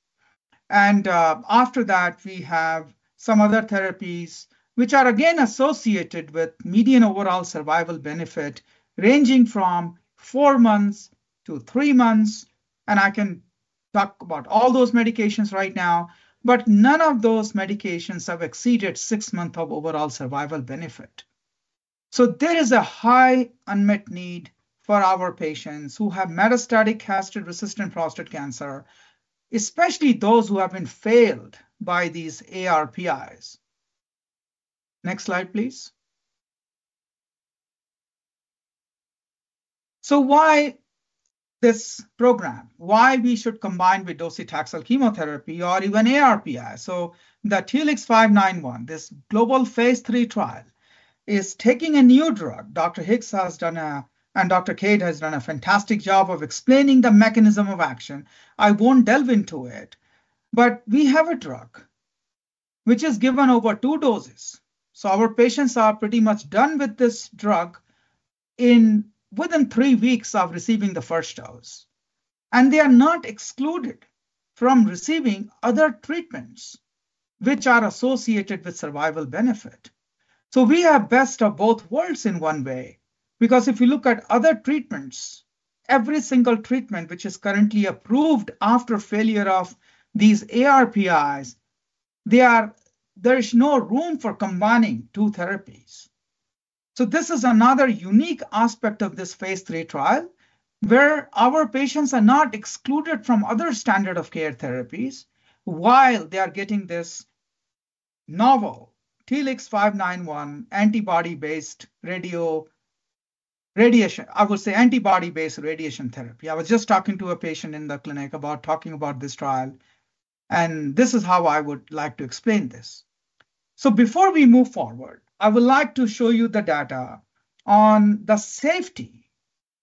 After that, we have some other therapies, which are again associated with median overall survival benefit ranging from four months to three months. I can talk about all those medications right now, but none of those medications have exceeded six months of overall survival benefit. There is a high unmet need for our patients who have metastatic castration-resistant prostate cancer, especially those who have been failed by these ARPIs. Next slide, please. Why this program? Why we should combine with docetaxel chemotherapy or even ARPI? The TLX591, this global phase III trial, is taking a new drug. Dr. Hicks has done, and Dr. Cade has done a fantastic job of explaining the mechanism of action. I won't delve into it, but we have a drug which is given over two doses. Our patients are pretty much done with this drug within three weeks of receiving the first dose. They are not excluded from receiving other treatments which are associated with survival benefit. We are best of both worlds in one way. Because if you look at other treatments, every single treatment which is currently approved after failure of these ARPIs, there is no room for combining two therapies. This is another unique aspect of this phase III trial, where our patients are not excluded from other standard of care therapies while they are getting this novel TLX591 antibody-based radiation, I would say antibody-based radiation therapy. I was just talking to a patient in the clinic about talking about this trial. This is how I would like to explain this. Before we move forward, I would like to show you the data on the safety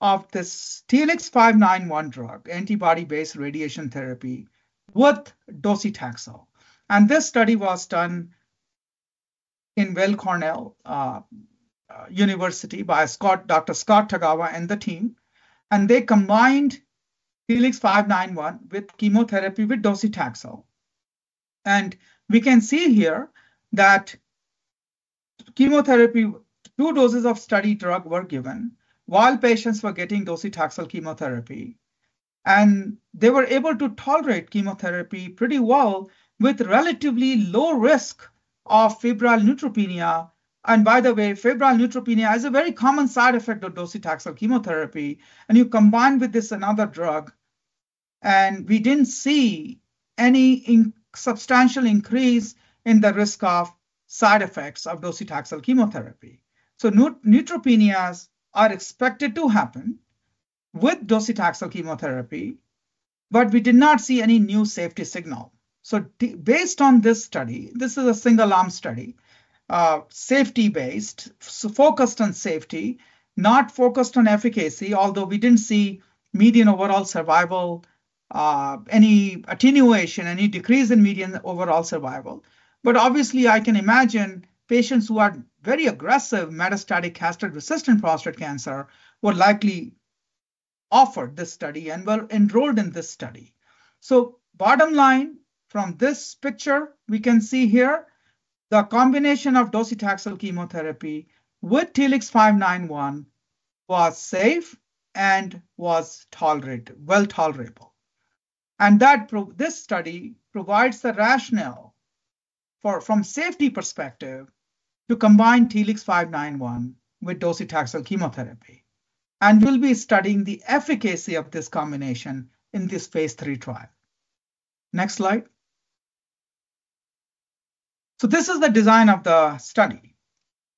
of this TLX591 drug, antibody-based radiation therapy with docetaxel. This study was done in Weill Cornell Medicine by Dr. Scott Tagawa and the team. They combined TLX591 with chemotherapy with docetaxel. We can see here that chemotherapy, two doses of study drug were given while patients were getting docetaxel chemotherapy. They were able to tolerate chemotherapy pretty well with relatively low risk of febrile neutropenia. By the way, febrile neutropenia is a very common side effect of docetaxel chemotherapy. You combine with this another drug, and we did not see any substantial increase in the risk of side effects of docetaxel chemotherapy. Neutropenias are expected to happen with docetaxel chemotherapy, but we did not see any new safety signal. Based on this study, this is a single-arm study, safety-based, focused on safety, not focused on efficacy, although we did not see median overall survival, any attenuation, any decrease in median overall survival. Obviously, I can imagine patients who are very aggressive metastatic castration-resistant prostate cancer would likely offer this study and were enrolled in this study. Bottom line from this picture, we can see here the combination of docetaxel chemotherapy with TLX591 was safe and was well tolerable. This study provides the rationale from a safety perspective to combine TLX591 with docetaxel chemotherapy. We'll be studying the efficacy of this combination in this phase III trial. Next slide. This is the design of the study,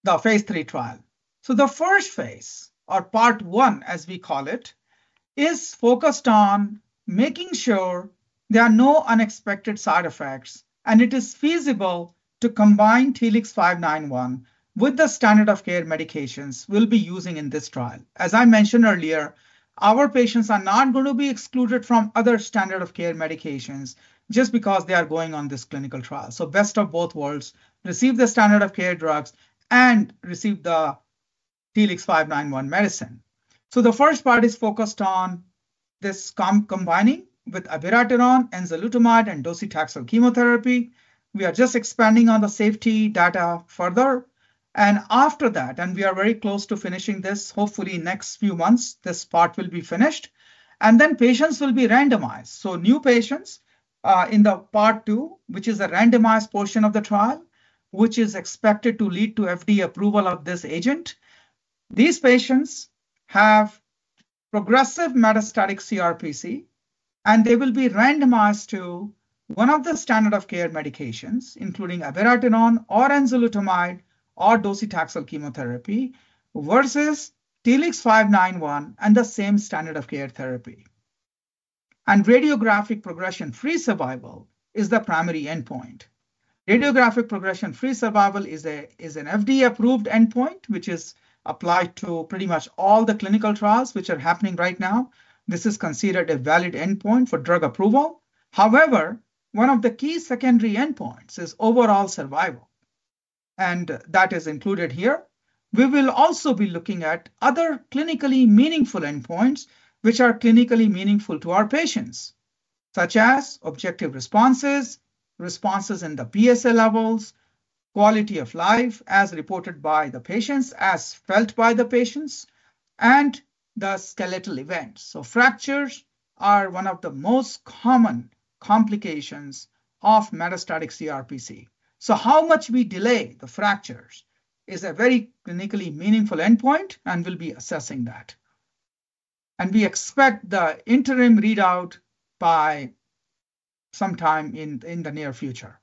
the phase III trial. The first phase, or part one, as we call it, is focused on making sure there are no unexpected side effects. It is feasible to combine TLX591 with the standard of care medications we'll be using in this trial. As I mentioned earlier, our patients are not going to be excluded from other standard of care medications just because they are going on this clinical trial. Best of both worlds, receive the standard of care drugs and receive the TLX591 medicine. The first part is focused on this combining with abiraterone, enzalutamide, and docetaxel chemotherapy. We are just expanding on the safety data further. After that, we are very close to finishing this, hopefully in the next few months, this part will be finished. Patients will be randomized. New patients in the part two, which is a randomized portion of the trial, which is expected to lead to FDA approval of this agent, these patients have progressive metastatic CRPC. They will be randomized to one of the standard of care medications, including abiraterone or enzalutamide or docetaxel chemotherapy versus TLX591 and the same standard of care therapy. Radiographic progression-free survival is the primary endpoint. Radiographic progression-free survival is an FDA-approved endpoint, which is applied to pretty much all the clinical trials which are happening right now. This is considered a valid endpoint for drug approval. However, one of the key secondary endpoints is overall survival. That is included here. We will also be looking at other clinically meaningful endpoints, which are clinically meaningful to our patients, such as objective responses, responses in the PSA levels, quality of life as reported by the patients, as felt by the patients, and the skeletal events. Fractures are one of the most common complications of metastatic CRPC. How much we delay the fractures is a very clinically meaningful endpoint and will be assessing that. We expect the interim readout by sometime in the near future.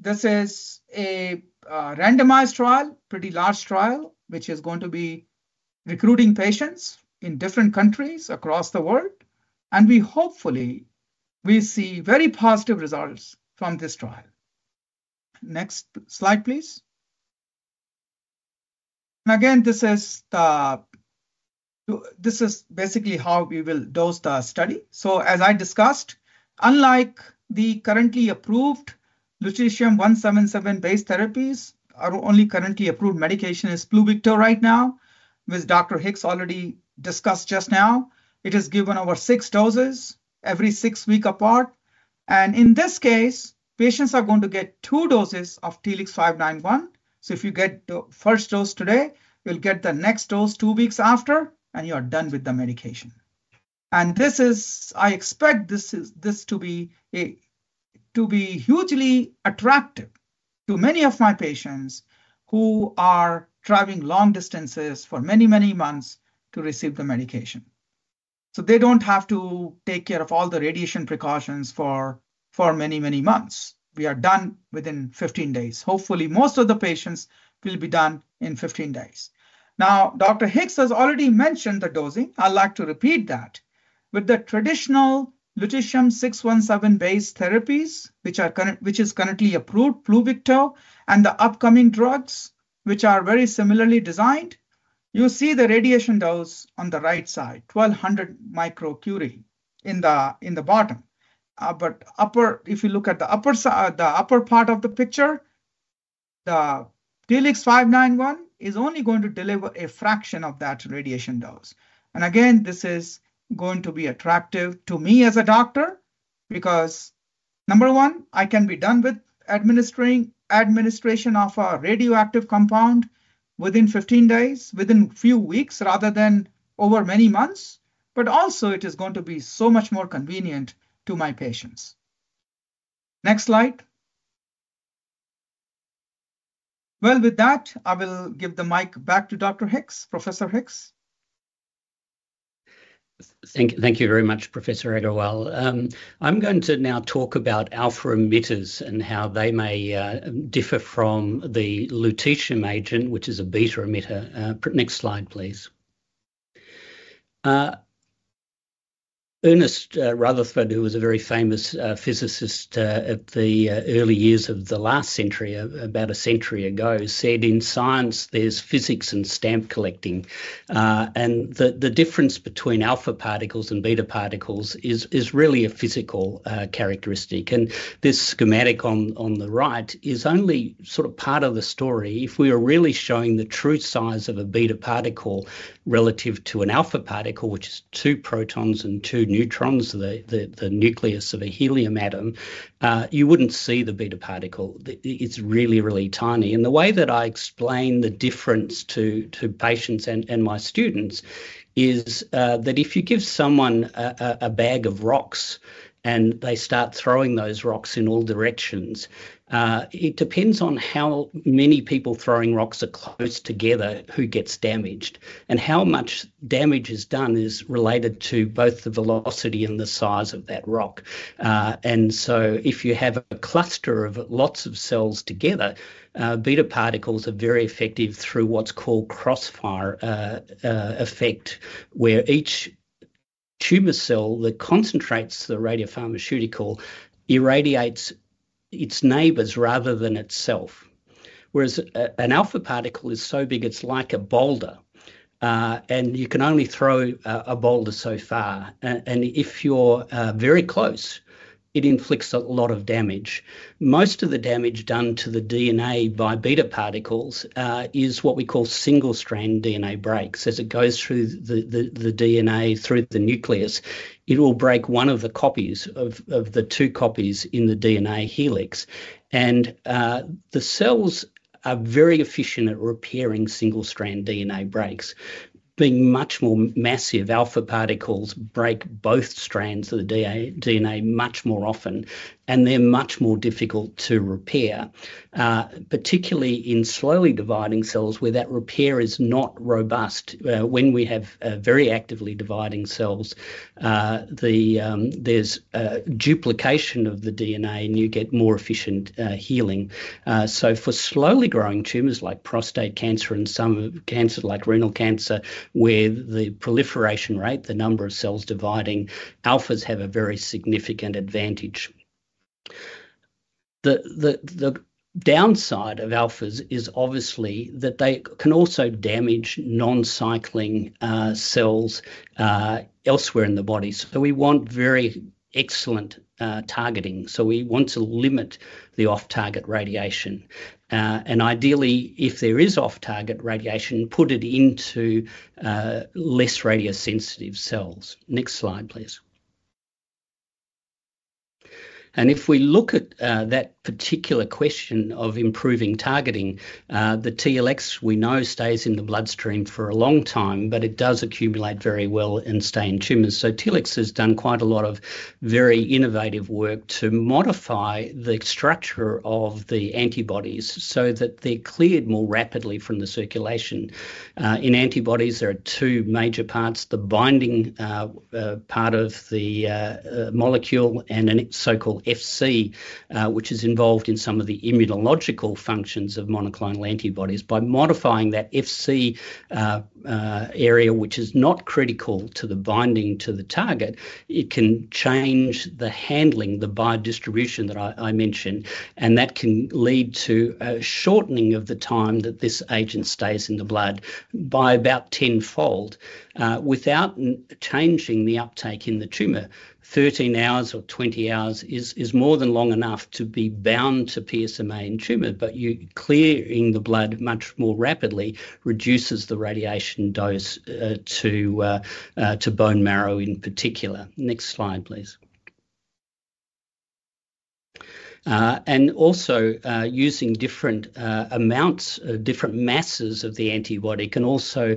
This is a randomized trial, pretty large trial, which is going to be recruiting patients in different countries across the world. We hopefully will see very positive results from this trial. Next slide, please. This is basically how we will dose the study. As I discussed, unlike the currently approved lutetium-177-based therapies, our only currently approved medication is Pluvicto right now, which Dr. Hicks already discussed just now. It is given over six doses every six weeks apart. In this case, patients are going to get two doses of TLX591. If you get the first dose today, you'll get the next dose two weeks after, and you are done with the medication. I expect this to be hugely attractive to many of my patients who are traveling long distances for many, many months to receive the medication. They don't have to take care of all the radiation precautions for many, many months. We are done within 15 days. Hopefully, most of the patients will be done in 15 days. Now, Dr. Hicks has already mentioned the dosing. I'd like to repeat that. With the traditional lutetium-617-based therapies, which is currently approved, Pluvicto, and the upcoming drugs, which are very similarly designed, you see the radiation dose on the right side, 1,200 microcurie in the bottom. If you look at the upper part of the picture, the TLX591 is only going to deliver a fraction of that radiation dose. Again, this is going to be attractive to me as a doctor because, number one, I can be done with administration of a radioactive compound within 15 days, within a few weeks, rather than over many months. It is going to be so much more convenient to my patients. Next slide. With that, I will give the mic back to Professor Hicks. Thank you very much, Professor Agarwal. I'm going to now talk about alpha-emitters and how they may differ from the lutetium agent, which is a beta-emitter. Next slide, please. Ernest Rutherford, who was a very famous physicist at the early years of the last century, about a century ago, said, "In science, there's physics and stamp collecting." The difference between alpha particles and beta particles is really a physical characteristic. This schematic on the right is only sort of part of the story. If we are really showing the true size of a beta particle relative to an alpha particle, which is two protons and two neutrons, the nucleus of a helium atom, you wouldn't see the beta particle. It's really, really tiny. The way that I explain the difference to patients and my students is that if you give someone a bag of rocks and they start throwing those rocks in all directions, it depends on how many people throwing rocks are close together who gets damaged. How much damage is done is related to both the velocity and the size of that rock. If you have a cluster of lots of cells together, beta particles are very effective through what's called crossfire effect, where each tumor cell that concentrates the radiopharmaceutical irradiates its neighbors rather than itself. Whereas an alpha particle is so big, it's like a boulder. You can only throw a boulder so far. If you're very close, it inflicts a lot of damage. Most of the damage done to the DNA by beta particles is what we call single-strand DNA breaks. As it goes through the DNA through the nucleus, it will break one of the copies of the two copies in the DNA helix. The cells are very efficient at repairing single-strand DNA breaks. Being much more massive, alpha particles break both strands of the DNA much more often. They're much more difficult to repair, particularly in slowly dividing cells where that repair is not robust. When we have very actively dividing cells, there's duplication of the DNA, and you get more efficient healing. For slowly growing tumors like prostate cancer and some cancers like renal cancer, where the proliferation rate, the number of cells dividing, alphas have a very significant advantage. The downside of alphas is obviously that they can also damage non-cycling cells elsewhere in the body. We want very excellent targeting. We want to limit the off-target radiation. Ideally, if there is off-target radiation, put it into less radiosensitive cells. Next slide, please. If we look at that particular question of improving targeting, the TLX, we know, stays in the bloodstream for a long time, but it does accumulate very well and stay in tumors. TLX has done quite a lot of very innovative work to modify the structure of the antibodies so that they're cleared more rapidly from the circulation. In antibodies, there are two major parts: the binding part of the molecule and a so-called FC, which is involved in some of the immunological functions of monoclonal antibodies. By modifying that FC area, which is not critical to the binding to the target, it can change the handling, the biodistribution that I mentioned. That can lead to a shortening of the time that this agent stays in the blood by about tenfold without changing the uptake in the tumor. Thirteen hours or twenty hours is more than long enough to be bound to PSMA in tumor, but you're clearing the blood much more rapidly, reduces the radiation dose to bone marrow in particular. Next slide, please. Also, using different amounts, different masses of the antibody can also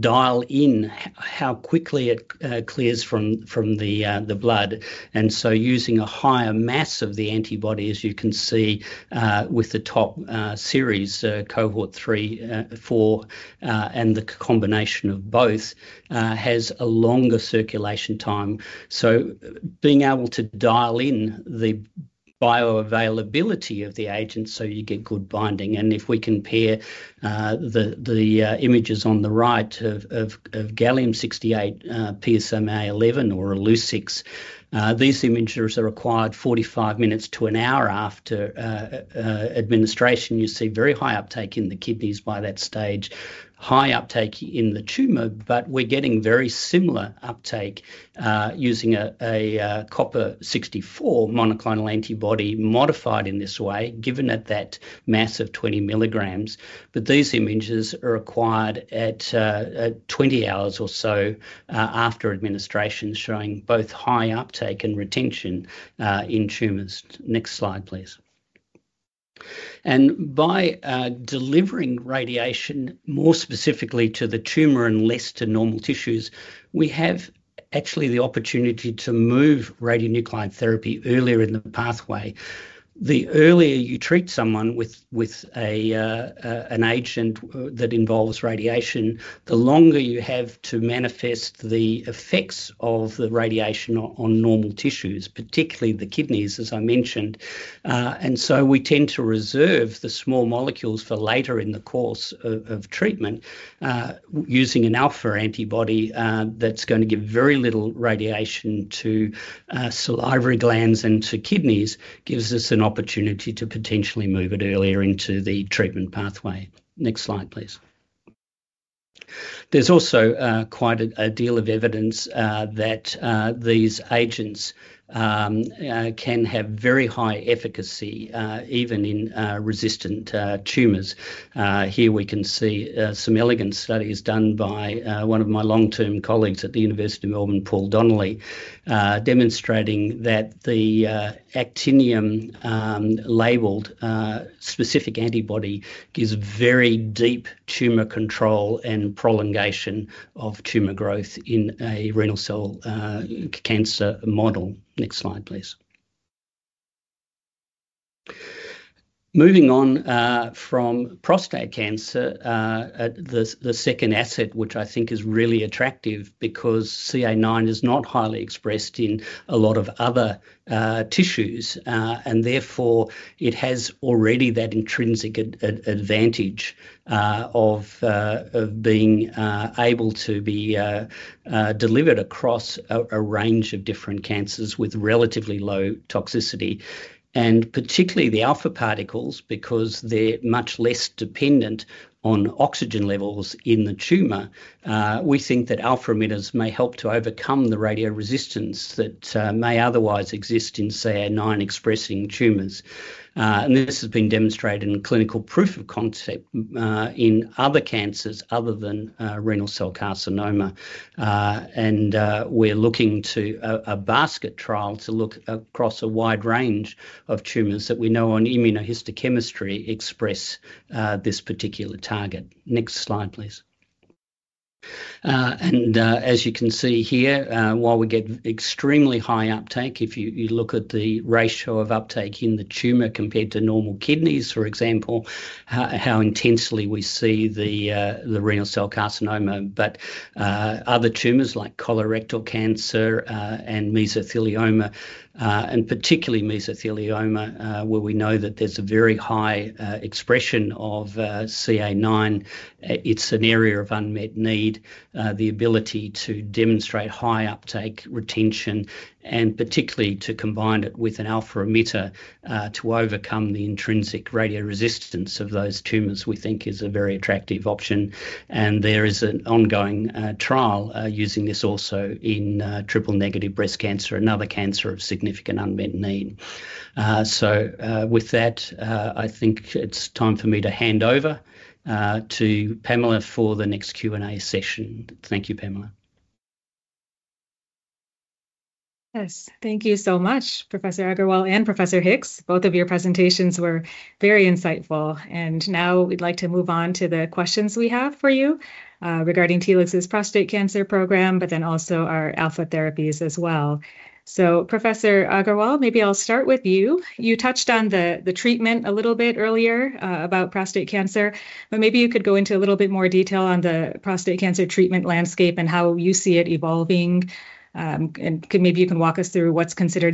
dial in how quickly it clears from the blood. Using a higher mass of the antibody, as you can see with the top series, cohort three, four, and the combination of both has a longer circulation time. Being able to dial in the bioavailability of the agent so you get good binding. If we compare the images on the right of gallium-68 PSMA-11 or Illuccix, these images are acquired 45 minutes to an hour after administration. You see very high uptake in the kidneys by that stage, high uptake in the tumor, but we're getting very similar uptake using a copper-64 monoclonal antibody modified in this way, given at that mass of 20 milligrams. These images are acquired at 20 hours or so after administration, showing both high uptake and retention in tumors. Next slide, please. By delivering radiation more specifically to the tumor and less to normal tissues, we have actually the opportunity to move radionuclide therapy earlier in the pathway. The earlier you treat someone with an agent that involves radiation, the longer you have to manifest the effects of the radiation on normal tissues, particularly the kidneys, as I mentioned. We tend to reserve the small molecules for later in the course of treatment. Using an alpha antibody that's going to give very little radiation to salivary glands and to kidneys gives us an opportunity to potentially move it earlier into the treatment pathway. Next slide, please. There is also quite a deal of evidence that these agents can have very high efficacy even in resistant tumors. Here we can see some elegant studies done by one of my long-term colleagues at the University of Melbourne, Paul Donnelly, demonstrating that the actinium-labeled specific antibody gives very deep tumor control and prolongation of tumor growth in a renal cell cancer model. Next slide, please. Moving on from prostate cancer, the second asset, which I think is really attractive because CA9 is not highly expressed in a lot of other tissues, and therefore it has already that intrinsic advantage of being able to be delivered across a range of different cancers with relatively low toxicity. Particularly the alpha particles, because they're much less dependent on oxygen levels in the tumor, we think that alpha-emitters may help to overcome the radioresistance that may otherwise exist in CA9-expressing tumors. This has been demonstrated in clinical proof of concept in other cancers other than renal cell carcinoma. We're looking to a basket trial to look across a wide range of tumors that we know on immunohistochemistry express this particular target. Next slide, please. As you can see here, while we get extremely high uptake, if you look at the ratio of uptake in the tumor compared to normal kidneys, for example, how intensely we see the renal cell carcinoma, but other tumors like colorectal cancer and mesothelioma, and particularly mesothelioma, where we know that there's a very high expression of CA9, it's an area of unmet need. The ability to demonstrate high uptake, retention, and particularly to combine it with an alpha emitter to overcome the intrinsic radioresistance of those tumors we think is a very attractive option. There is an ongoing trial using this also in triple-negative breast cancer, another cancer of significant unmet need. With that, I think it's time for me to hand over to Pamela for the next Q&A session. Thank you, Pamela. Yes. Thank you so much, Professor Agarwal and Professor Hicks. Both of your presentations were very insightful. Now we'd like to move on to the questions we have for you regarding Telix's prostate cancer program, but then also our alpha therapies as well. Professor Agarwal, maybe I'll start with you. You touched on the treatment a little bit earlier about prostate cancer, but maybe you could go into a little bit more detail on the prostate cancer treatment landscape and how you see it evolving. Maybe you can walk us through what's considered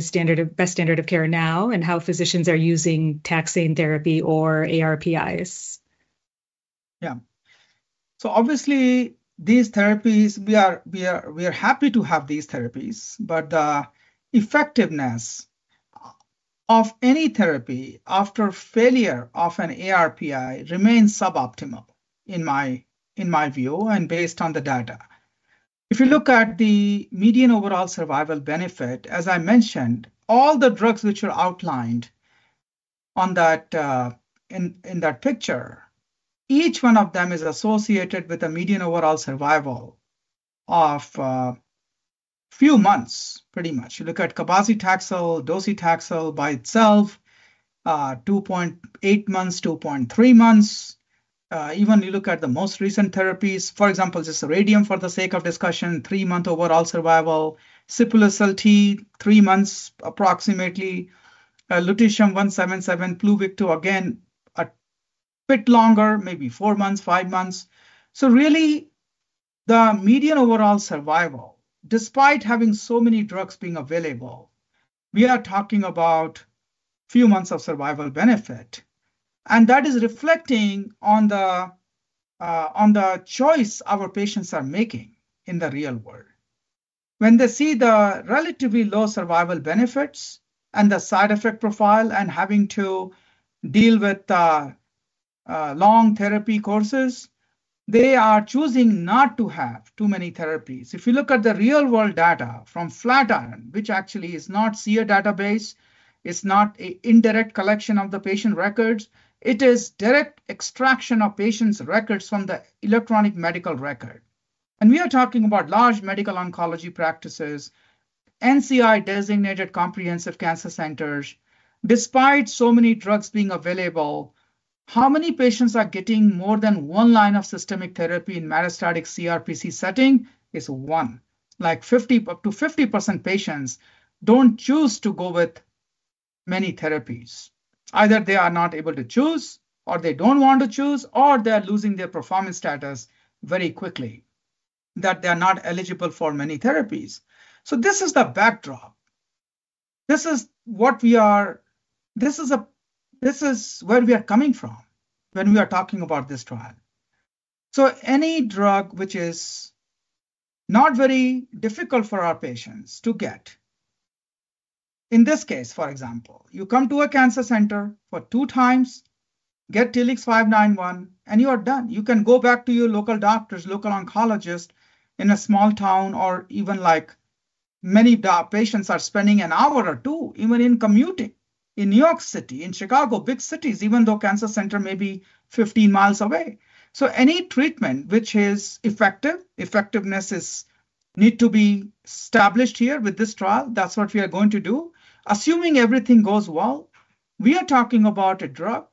best standard of care now and how physicians are using taxane therapy or ARPIs. Yeah. Obviously, these therapies, we are happy to have these therapies, but the effectiveness of any therapy after failure of an ARPI remains suboptimal in my view and based on the data. If you look at the median overall survival benefit, as I mentioned, all the drugs which are outlined in that picture, each one of them is associated with a median overall survival of a few months, pretty much. You look at cabazitaxel, docetaxel by itself, 2.8 months, 2.3 months. Even you look at the most recent therapies, for example, just radium for the sake of discussion, three-month overall survival. Sipuleucel-T, three months approximately. Lutetium-177, Pluvicto, again, a bit longer, maybe four months, five months. Really, the median overall survival, despite having so many drugs being available, we are talking about a few months of survival benefit. That is reflecting on the choice our patients are making in the real world. When they see the relatively low survival benefits and the side effect profile and having to deal with long therapy courses, they are choosing not to have too many therapies. If you look at the real-world data from Flatiron, which actually is not SIA database, it's not an indirect collection of the patient records. It is direct extraction of patients' records from the electronic medical record. We are talking about large medical oncology practices, NCI-designated comprehensive cancer centers. Despite so many drugs being available, how many patients are getting more than one line of systemic therapy in metastatic CRPC setting is one. Like up to 50% patients don't choose to go with many therapies. Either they are not able to choose, or they do not want to choose, or they are losing their performance status very quickly, that they are not eligible for many therapies. This is the backdrop. This is where we are coming from when we are talking about this trial. Any drug which is not very difficult for our patients to get, in this case, for example, you come to a cancer center two times, get TLX591, and you are done. You can go back to your local doctors, local oncologist in a small town, or even like many patients are spending an hour or two, even in commuting, in New York City, in Chicago, big cities, even though cancer center may be 15 miles away. Any treatment which is effective, effectiveness needs to be established here with this trial. That's what we are going to do. Assuming everything goes well, we are talking about a drug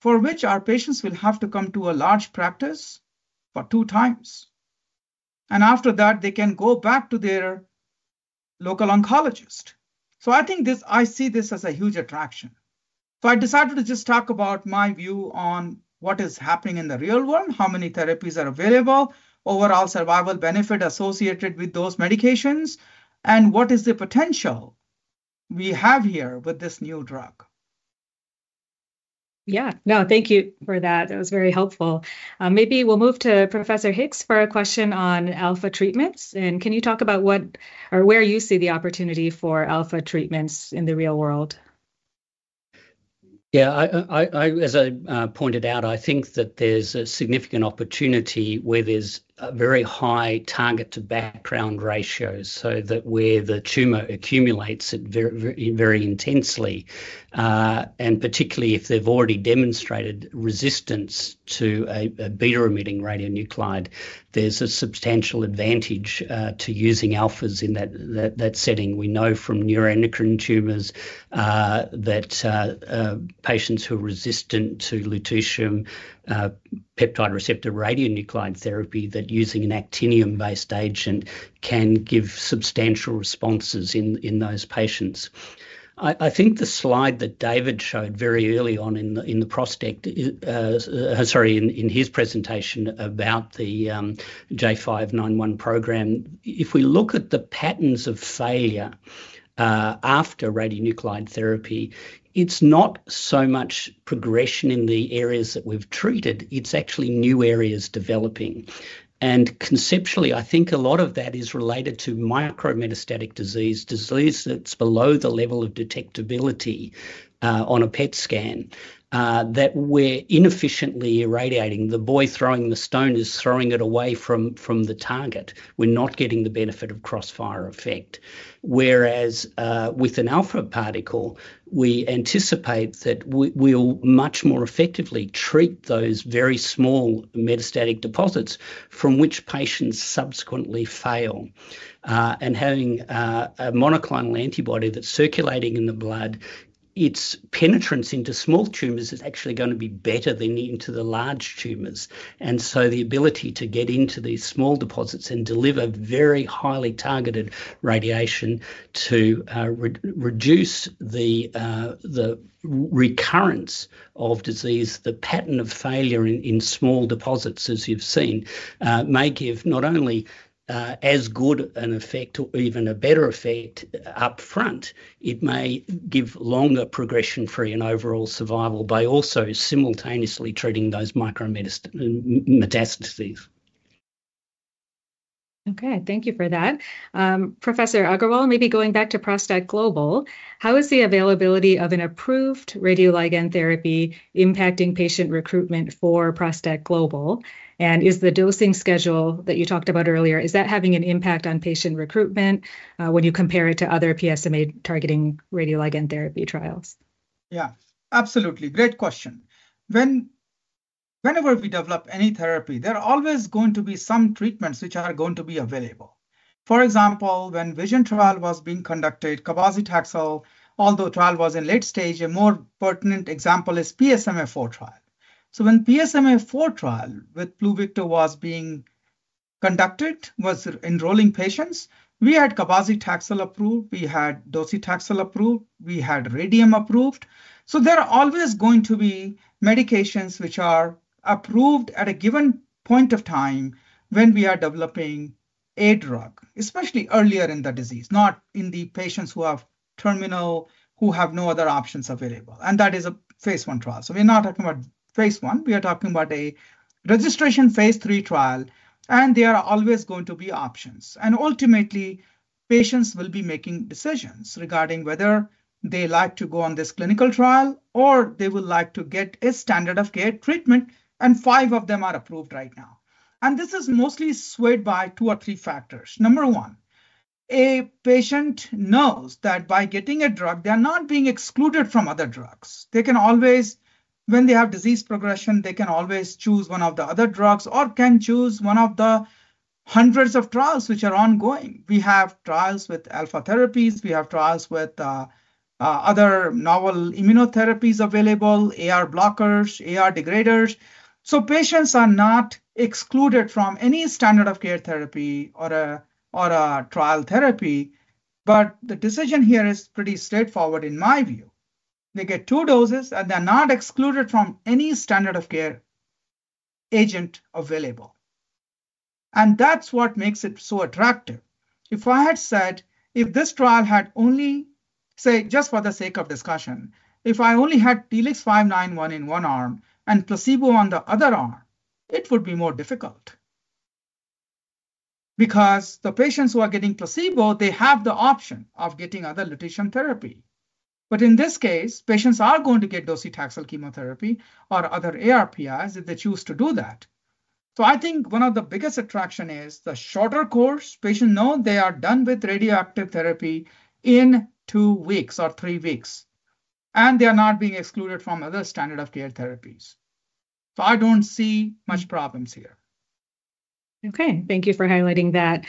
for which our patients will have to come to a large practice for two times. After that, they can go back to their local oncologist. I think this, I see this as a huge attraction. I decided to just talk about my view on what is happening in the real world, how many therapies are available, overall survival benefit associated with those medications, and what is the potential we have here with this new drug. Yeah. No, thank you for that. That was very helpful. Maybe we'll move to Professor Hicks for a question on alpha treatments. Can you talk about what or where you see the opportunity for alpha treatments in the real world? Yeah. As I pointed out, I think that there's a significant opportunity where there's a very high target-to-background ratio so that where the tumor accumulates very intensely. Particularly if they've already demonstrated resistance to a beta-emitting radionuclide, there's a substantial advantage to using alphas in that setting. We know from neuroendocrine tumors that patients who are resistant to lutetium peptide receptor radionuclide therapy, that using an actinium-based agent can give substantial responses in those patients. I think the slide that David showed very early on in the prostate, sorry, in his presentation about the J591 program, if we look at the patterns of failure after radionuclide therapy, it's not so much progression in the areas that we've treated. It's actually new areas developing. Conceptually, I think a lot of that is related to micrometastatic disease, disease that's below the level of detectability on a PET scan, that we're inefficiently irradiating. The boy throwing the stone is throwing it away from the target. We're not getting the benefit of crossfire effect. Whereas with an alpha particle, we anticipate that we'll much more effectively treat those very small metastatic deposits from which patients subsequently fail. Having a monoclonal antibody that's circulating in the blood, its penetrance into small tumors is actually going to be better than into the large tumors. The ability to get into these small deposits and deliver very highly targeted radiation to reduce the recurrence of disease, the pattern of failure in small deposits, as you've seen, may give not only as good an effect or even a better effect upfront, it may give longer progression-free and overall survival by also simultaneously treating those micrometastases. Okay. Thank you for that. Professor Agarwal, maybe going back to ProstACT Global, how is the availability of an approved radioligand therapy impacting patient recruitment for ProstACT Global? And is the dosing schedule that you talked about earlier, is that having an impact on patient recruitment when you compare it to other PSMA-targeting radioligand therapy trials? Yeah. Absolutely. Great question. Whenever we develop any therapy, there are always going to be some treatments which are going to be available. For example, when Vision trial was being conducted, cabazitaxel, although trial was in late stage, a more pertinent example is PSMA-4 trial. When PSMA-4 trial with Pluvicto was being conducted, was enrolling patients, we had cabazitaxel approved, we had docetaxel approved, we had radium approved. There are always going to be medications which are approved at a given point of time when we are developing a drug, especially earlier in the disease, not in the patients who have terminal, who have no other options available. That is a phase I trial. We are not talking about phase I. We are talking about a registration phase III trial. There are always going to be options. Ultimately, patients will be making decisions regarding whether they like to go on this clinical trial or they would like to get a standard of care treatment. Five of them are approved right now. This is mostly swayed by two or three factors. Number one, a patient knows that by getting a drug, they are not being excluded from other drugs. They can always, when they have disease progression, choose one of the other drugs or can choose one of the hundreds of trials which are ongoing. We have trials with alpha therapies. We have trials with other novel immunotherapies available, AR blockers, AR degraders. Patients are not excluded from any standard of care therapy or a trial therapy. The decision here is pretty straightforward, in my view. They get two doses, and they're not excluded from any standard of care agent available. That is what makes it so attractive. If I had said, if this trial had only, say, just for the sake of discussion, if I only had TLX591 in one arm and placebo on the other arm, it would be more difficult. Because the patients who are getting placebo, they have the option of getting other location therapy. In this case, patients are going to get docetaxel chemotherapy or other ARPIs if they choose to do that. I think one of the biggest attraction is the shorter course. Patients know they are done with radioactive therapy in two weeks or three weeks. They are not being excluded from other standard of care therapies. I do not see much problems here. Okay. Thank you for highlighting that.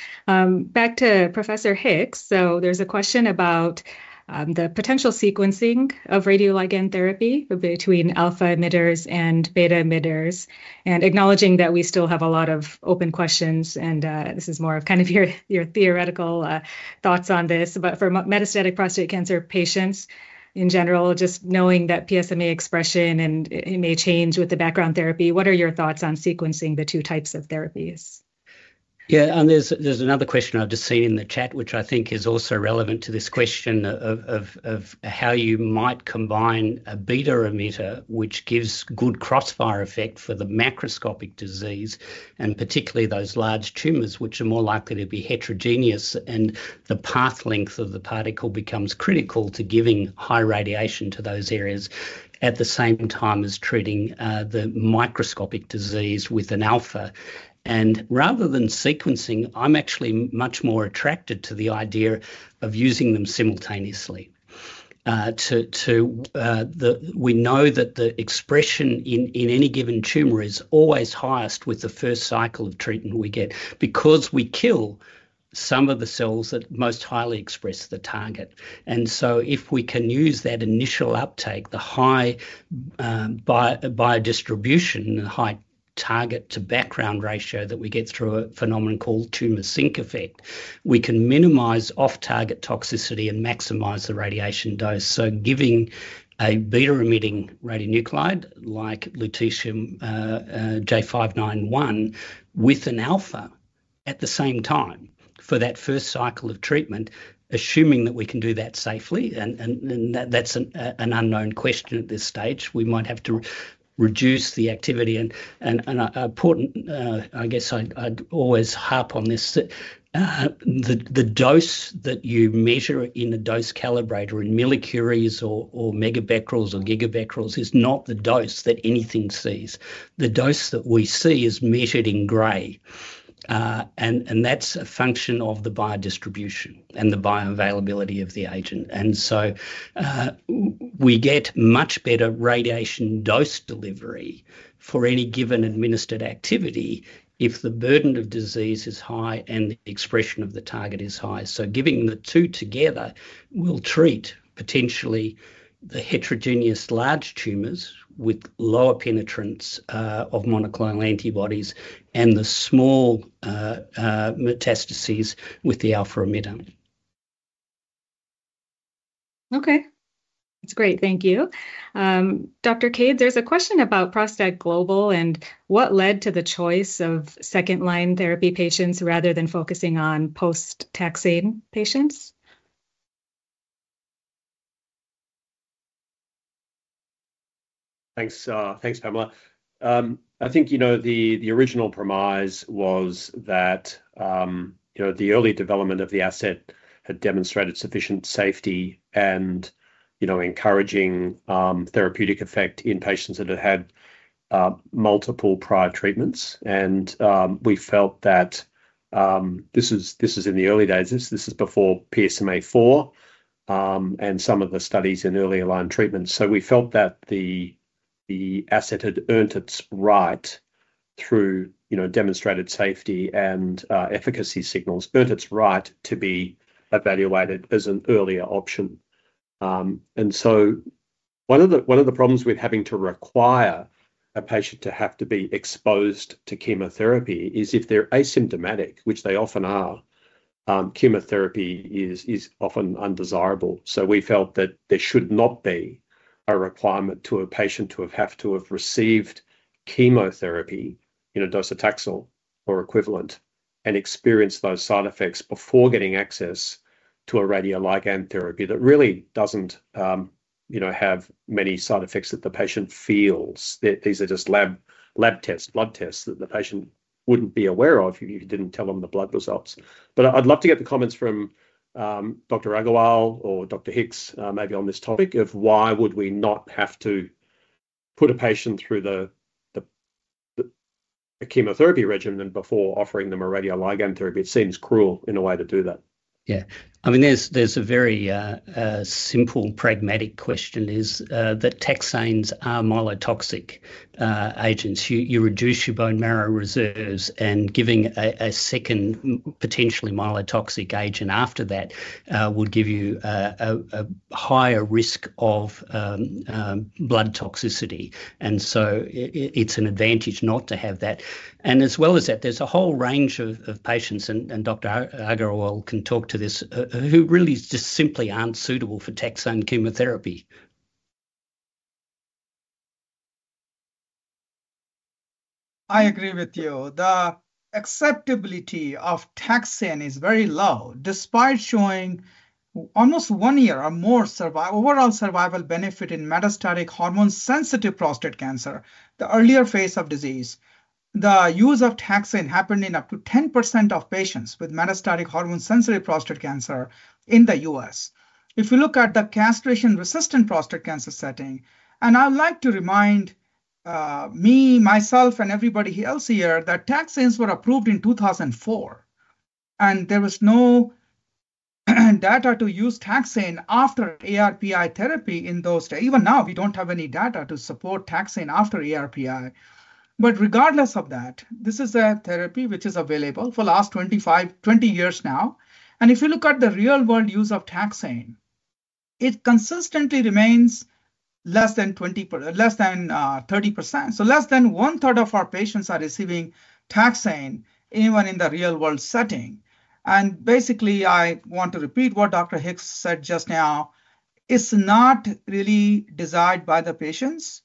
Back to Professor Hicks. There is a question about the potential sequencing of radioligand therapy between alpha emitters and beta emitters. Acknowledging that we still have a lot of open questions. This is more of kind of your theoretical thoughts on this. For metastatic prostate cancer patients in general, just knowing that PSMA expression and it may change with the background therapy, what are your thoughts on sequencing the two types of therapies? Yeah. There's another question I've just seen in the chat, which I think is also relevant to this question of how you might combine a beta-emitter, which gives good crossfire effect for the macroscopic disease, and particularly those large tumors, which are more likely to be heterogeneous. The path length of the particle becomes critical to giving high radiation to those areas at the same time as treating the microscopic disease with an alpha. Rather than sequencing, I'm actually much more attracted to the idea of using them simultaneously. We know that the expression in any given tumor is always highest with the first cycle of treatment we get because we kill some of the cells that most highly express the target. If we can use that initial uptake, the high biodistribution and high target-to-background ratio that we get through a phenomenon called tumor sink effect, we can minimize off-target toxicity and maximize the radiation dose. Giving a beta-emitting radionuclide like lutetium J591 with an alpha at the same time for that first cycle of treatment, assuming that we can do that safely, and that's an unknown question at this stage, we might have to reduce the activity. An important, I guess I'd always harp on this, the dose that you measure in the dose calibrator in millicuries or megabecquerels or gigabecquerels is not the dose that anything sees. The dose that we see is measured in gray. That's a function of the biodistribution and the bioavailability of the agent. We get much better radiation dose delivery for any given administered activity if the burden of disease is high and the expression of the target is high. Giving the two together will treat potentially the heterogeneous large tumors with lower penetrance of monoclonal antibodies and the small metastases with the alpha emitter. Okay. That's great. Thank you. Dr. Cade, there's a question about ProstACT Global and what led to the choice of second-line therapy patients rather than focusing on post-taxane patients. Thanks, Pamela. I think the original premise was that the early development of the asset had demonstrated sufficient safety and encouraging therapeutic effect in patients that had had multiple prior treatments. We felt that this is in the early days. This is before PSMA-4 and some of the studies in early line treatments. We felt that the asset had earned its right through demonstrated safety and efficacy signals, earned its right to be evaluated as an earlier option. One of the problems with having to require a patient to have to be exposed to chemotherapy is if they're asymptomatic, which they often are, chemotherapy is often undesirable. We felt that there should not be a requirement to a patient to have to have received chemotherapy in a docetaxel or equivalent and experience those side effects before getting access to a radioligand therapy that really doesn't have many side effects that the patient feels. These are just lab tests, blood tests that the patient wouldn't be aware of if you didn't tell them the blood results. I'd love to get the comments from Dr. Agarwal or Dr. Hicks, maybe on this topic of why would we not have to put a patient through the chemotherapy regimen before offering them a radioligand therapy. It seems cruel in a way to do that. Yeah. I mean, there's a very simple pragmatic question is that taxanes are myelotoxic agents. You reduce your bone marrow reserves, and giving a second potentially myelotoxic agent after that would give you a higher risk of blood toxicity. It is an advantage not to have that. As well as that, there's a whole range of patients, and Dr. Agarwal can talk to this, who really just simply aren't suitable for taxane chemotherapy. I agree with you. The acceptability of taxane is very low despite showing almost one year or more overall survival benefit in metastatic hormone-sensitive prostate cancer, the earlier phase of disease. The use of taxane happened in up to 10% of patients with metastatic hormone-sensitive prostate cancer in the US. If you look at the castration-resistant prostate cancer setting, and I'd like to remind me, myself, and everybody else here that taxanes were approved in 2004, and there was no data to use taxane after ARPI therapy in those days. Even now, we don't have any data to support taxane after ARPI. Regardless of that, this is a therapy which is available for the last 20 years now. If you look at the real-world use of taxane, it consistently remains less than 30%. Less than one-third of our patients are receiving taxane even in the real-world setting. Basically, I want to repeat what Dr. Hicks said just now. It's not really desired by the patients.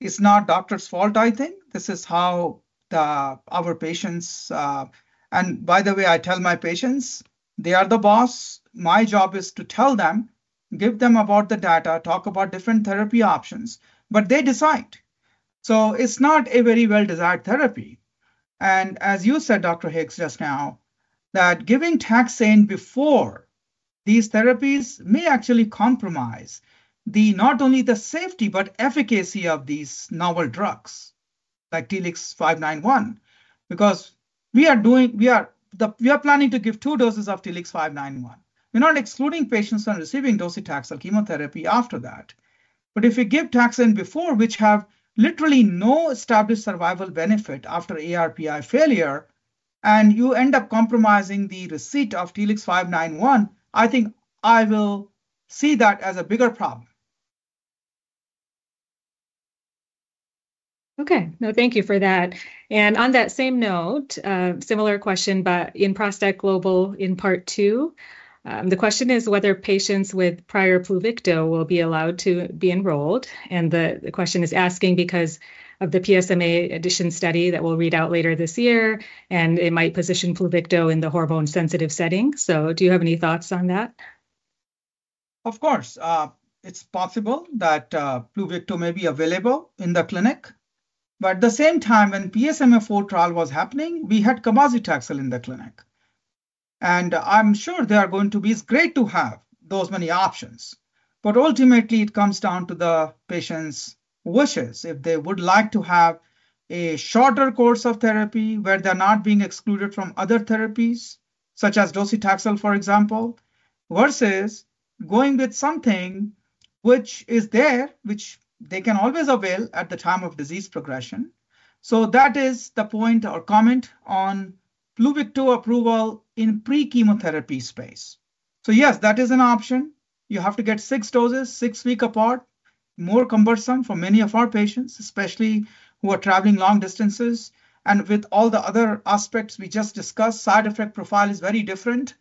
It's not doctor's fault, I think. This is how our patients—and by the way, I tell my patients, they are the boss. My job is to tell them, give them about the data, talk about different therapy options. They decide. It is not a very well-desired therapy. As you said, Dr. Hicks just now, giving taxane before these therapies may actually compromise not only the safety, but efficacy of these novel drugs like TLX591. We are planning to give two doses of TLX591. We are not excluding patients from receiving docetaxel chemotherapy after that. If you give taxane before, which have literally no established survival benefit after ARPI failure, and you end up compromising the receipt of TLX591, I think I will see that as a bigger problem. Okay. No, thank you for that. On that same note, similar question, but in ProstACT Global in part two, the question is whether patients with prior Pluvicto will be allowed to be enrolled. The question is asking because of the PSMA addition study that will read out later this year, and it might position Pluvicto in the hormone-sensitive setting. Do you have any thoughts on that? Of course. It's possible that Pluvicto may be available in the clinic. At the same time, when PSMA-4 trial was happening, we had cabazitaxel in the clinic. I'm sure they are going to be great to have those many options. Ultimately, it comes down to the patient's wishes if they would like to have a shorter course of therapy where they're not being excluded from other therapies, such as docetaxel, for example, versus going with something which is there, which they can always avail at the time of disease progression. That is the point or comment on Pluvicto approval in pre-chemotherapy space. Yes, that is an option. You have to get six doses, six weeks apart. More cumbersome for many of our patients, especially who are traveling long distances. With all the other aspects we just discussed, side effect profile is very different.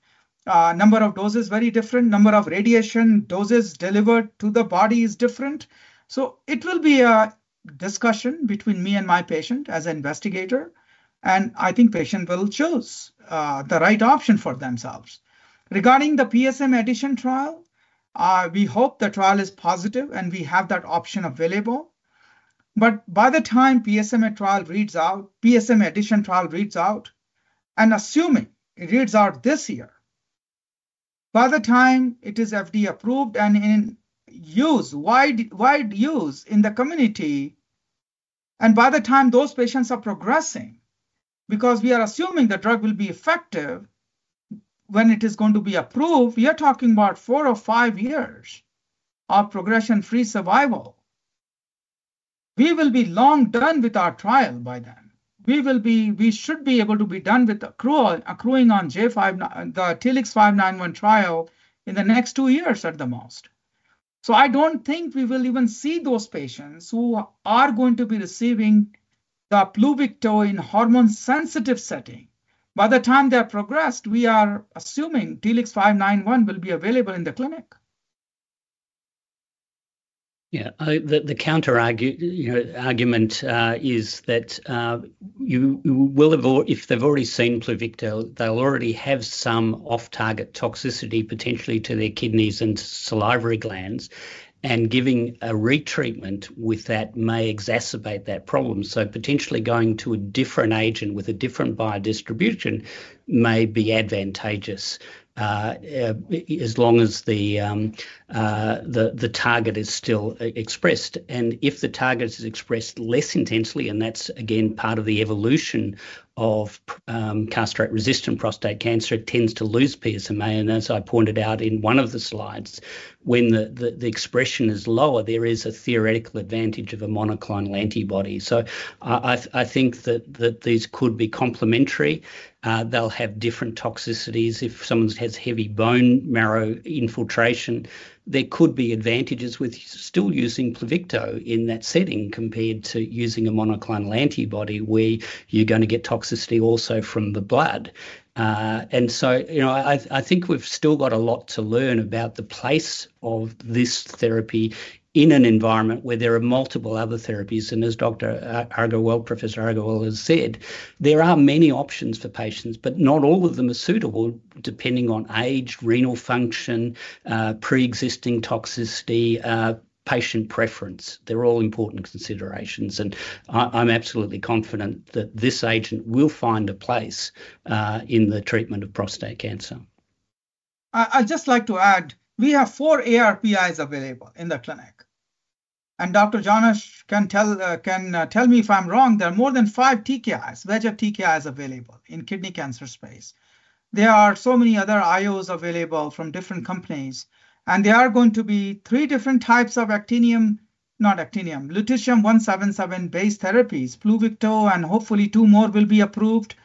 Number of doses is very different. Number of radiation doses delivered to the body is different. It will be a discussion between me and my patient as an investigator. I think the patient will choose the right option for themselves. Regarding the PSMA edition trial, we hope the trial is positive and we have that option available. By the time PSMA trial reads out, PSMA edition trial reads out, and assuming it reads out this year, by the time it is FDA-approved and in use, wide use in the community, and by the time those patients are progressing, because we are assuming the drug will be effective when it is going to be approved, we are talking about four or five years of progression-free survival. We will be long done with our trial by then. We should be able to be done with accruing on the TLX591 trial in the next two years at the most. I do not think we will even see those patients who are going to be receiving the Pluvicto in hormone-sensitive setting. By the time they have progressed, we are assuming TLX591 will be available in the clinic. Yeah. The counterargument is that if they've already seen Pluvicto, they'll already have some off-target toxicity potentially to their kidneys and salivary glands. Giving a retreatment with that may exacerbate that problem. Potentially going to a different agent with a different biodistribution may be advantageous as long as the target is still expressed. If the target is expressed less intensely, and that's, again, part of the evolution of castrate-resistant prostate cancer, it tends to lose PSMA. As I pointed out in one of the slides, when the expression is lower, there is a theoretical advantage of a monoclonal antibody. I think that these could be complementary. They'll have different toxicities. If someone has heavy bone marrow infiltration, there could be advantages with still using Pluvicto in that setting compared to using a monoclonal antibody where you're going to get toxicity also from the blood. I think we've still got a lot to learn about the place of this therapy in an environment where there are multiple other therapies. As Professor Agarwal has said, there are many options for patients, but not all of them are suitable depending on age, renal function, pre-existing toxicity, patient preference. They're all important considerations. I'm absolutely confident that this agent will find a place in the treatment of prostate cancer. I'd just like to add, we have four ARPIs available in the clinic. Dr. Jonasch can tell me if I'm wrong. There are more than five TKIs, a wedge of TKIs available in the kidney cancer space. There are so many other IOs available from different companies. There are going to be three different types of actinium, not actinium, lutetium-177-based therapies, Pluvicto, and hopefully two more will be approved.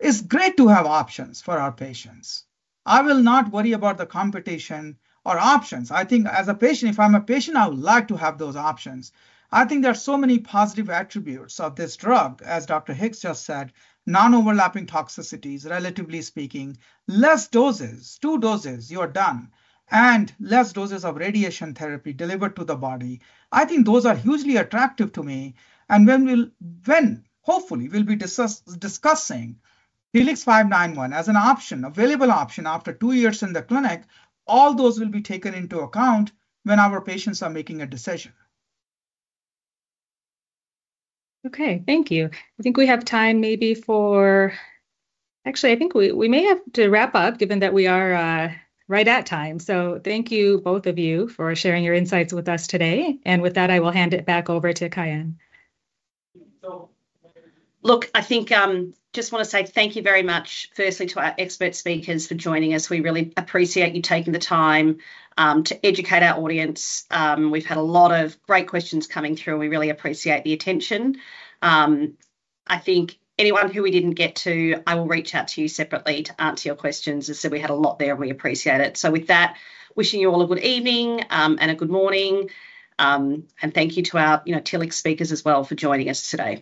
It's great to have options for our patients. I will not worry about the competition or options. I think as a patient, if I'm a patient, I would like to have those options. I think there are so many positive attributes of this drug, as Dr. Hicks just said, non-overlapping toxicities, relatively speaking, less doses, two doses, you are done, and less doses of radiation therapy delivered to the body. I think those are hugely attractive to me. When hopefully we'll be discussing TLX591 as an available option after two years in the clinic, all those will be taken into account when our patients are making a decision. Okay. Thank you. I think we have time maybe for actually, I think we may have to wrap up given that we are right at time. Thank you both of you for sharing your insights with us today. With that, I will hand it back over to Kyahn. Look, I think I just want to say thank you very much, firstly, to our expert speakers for joining us. We really appreciate you taking the time to educate our audience. We've had a lot of great questions coming through. We really appreciate the attention. I think anyone who we didn't get to, I will reach out to you separately to answer your questions. We had a lot there, and we appreciate it. With that, wishing you all a good evening and a good morning. Thank you to our TLX speakers as well for joining us today.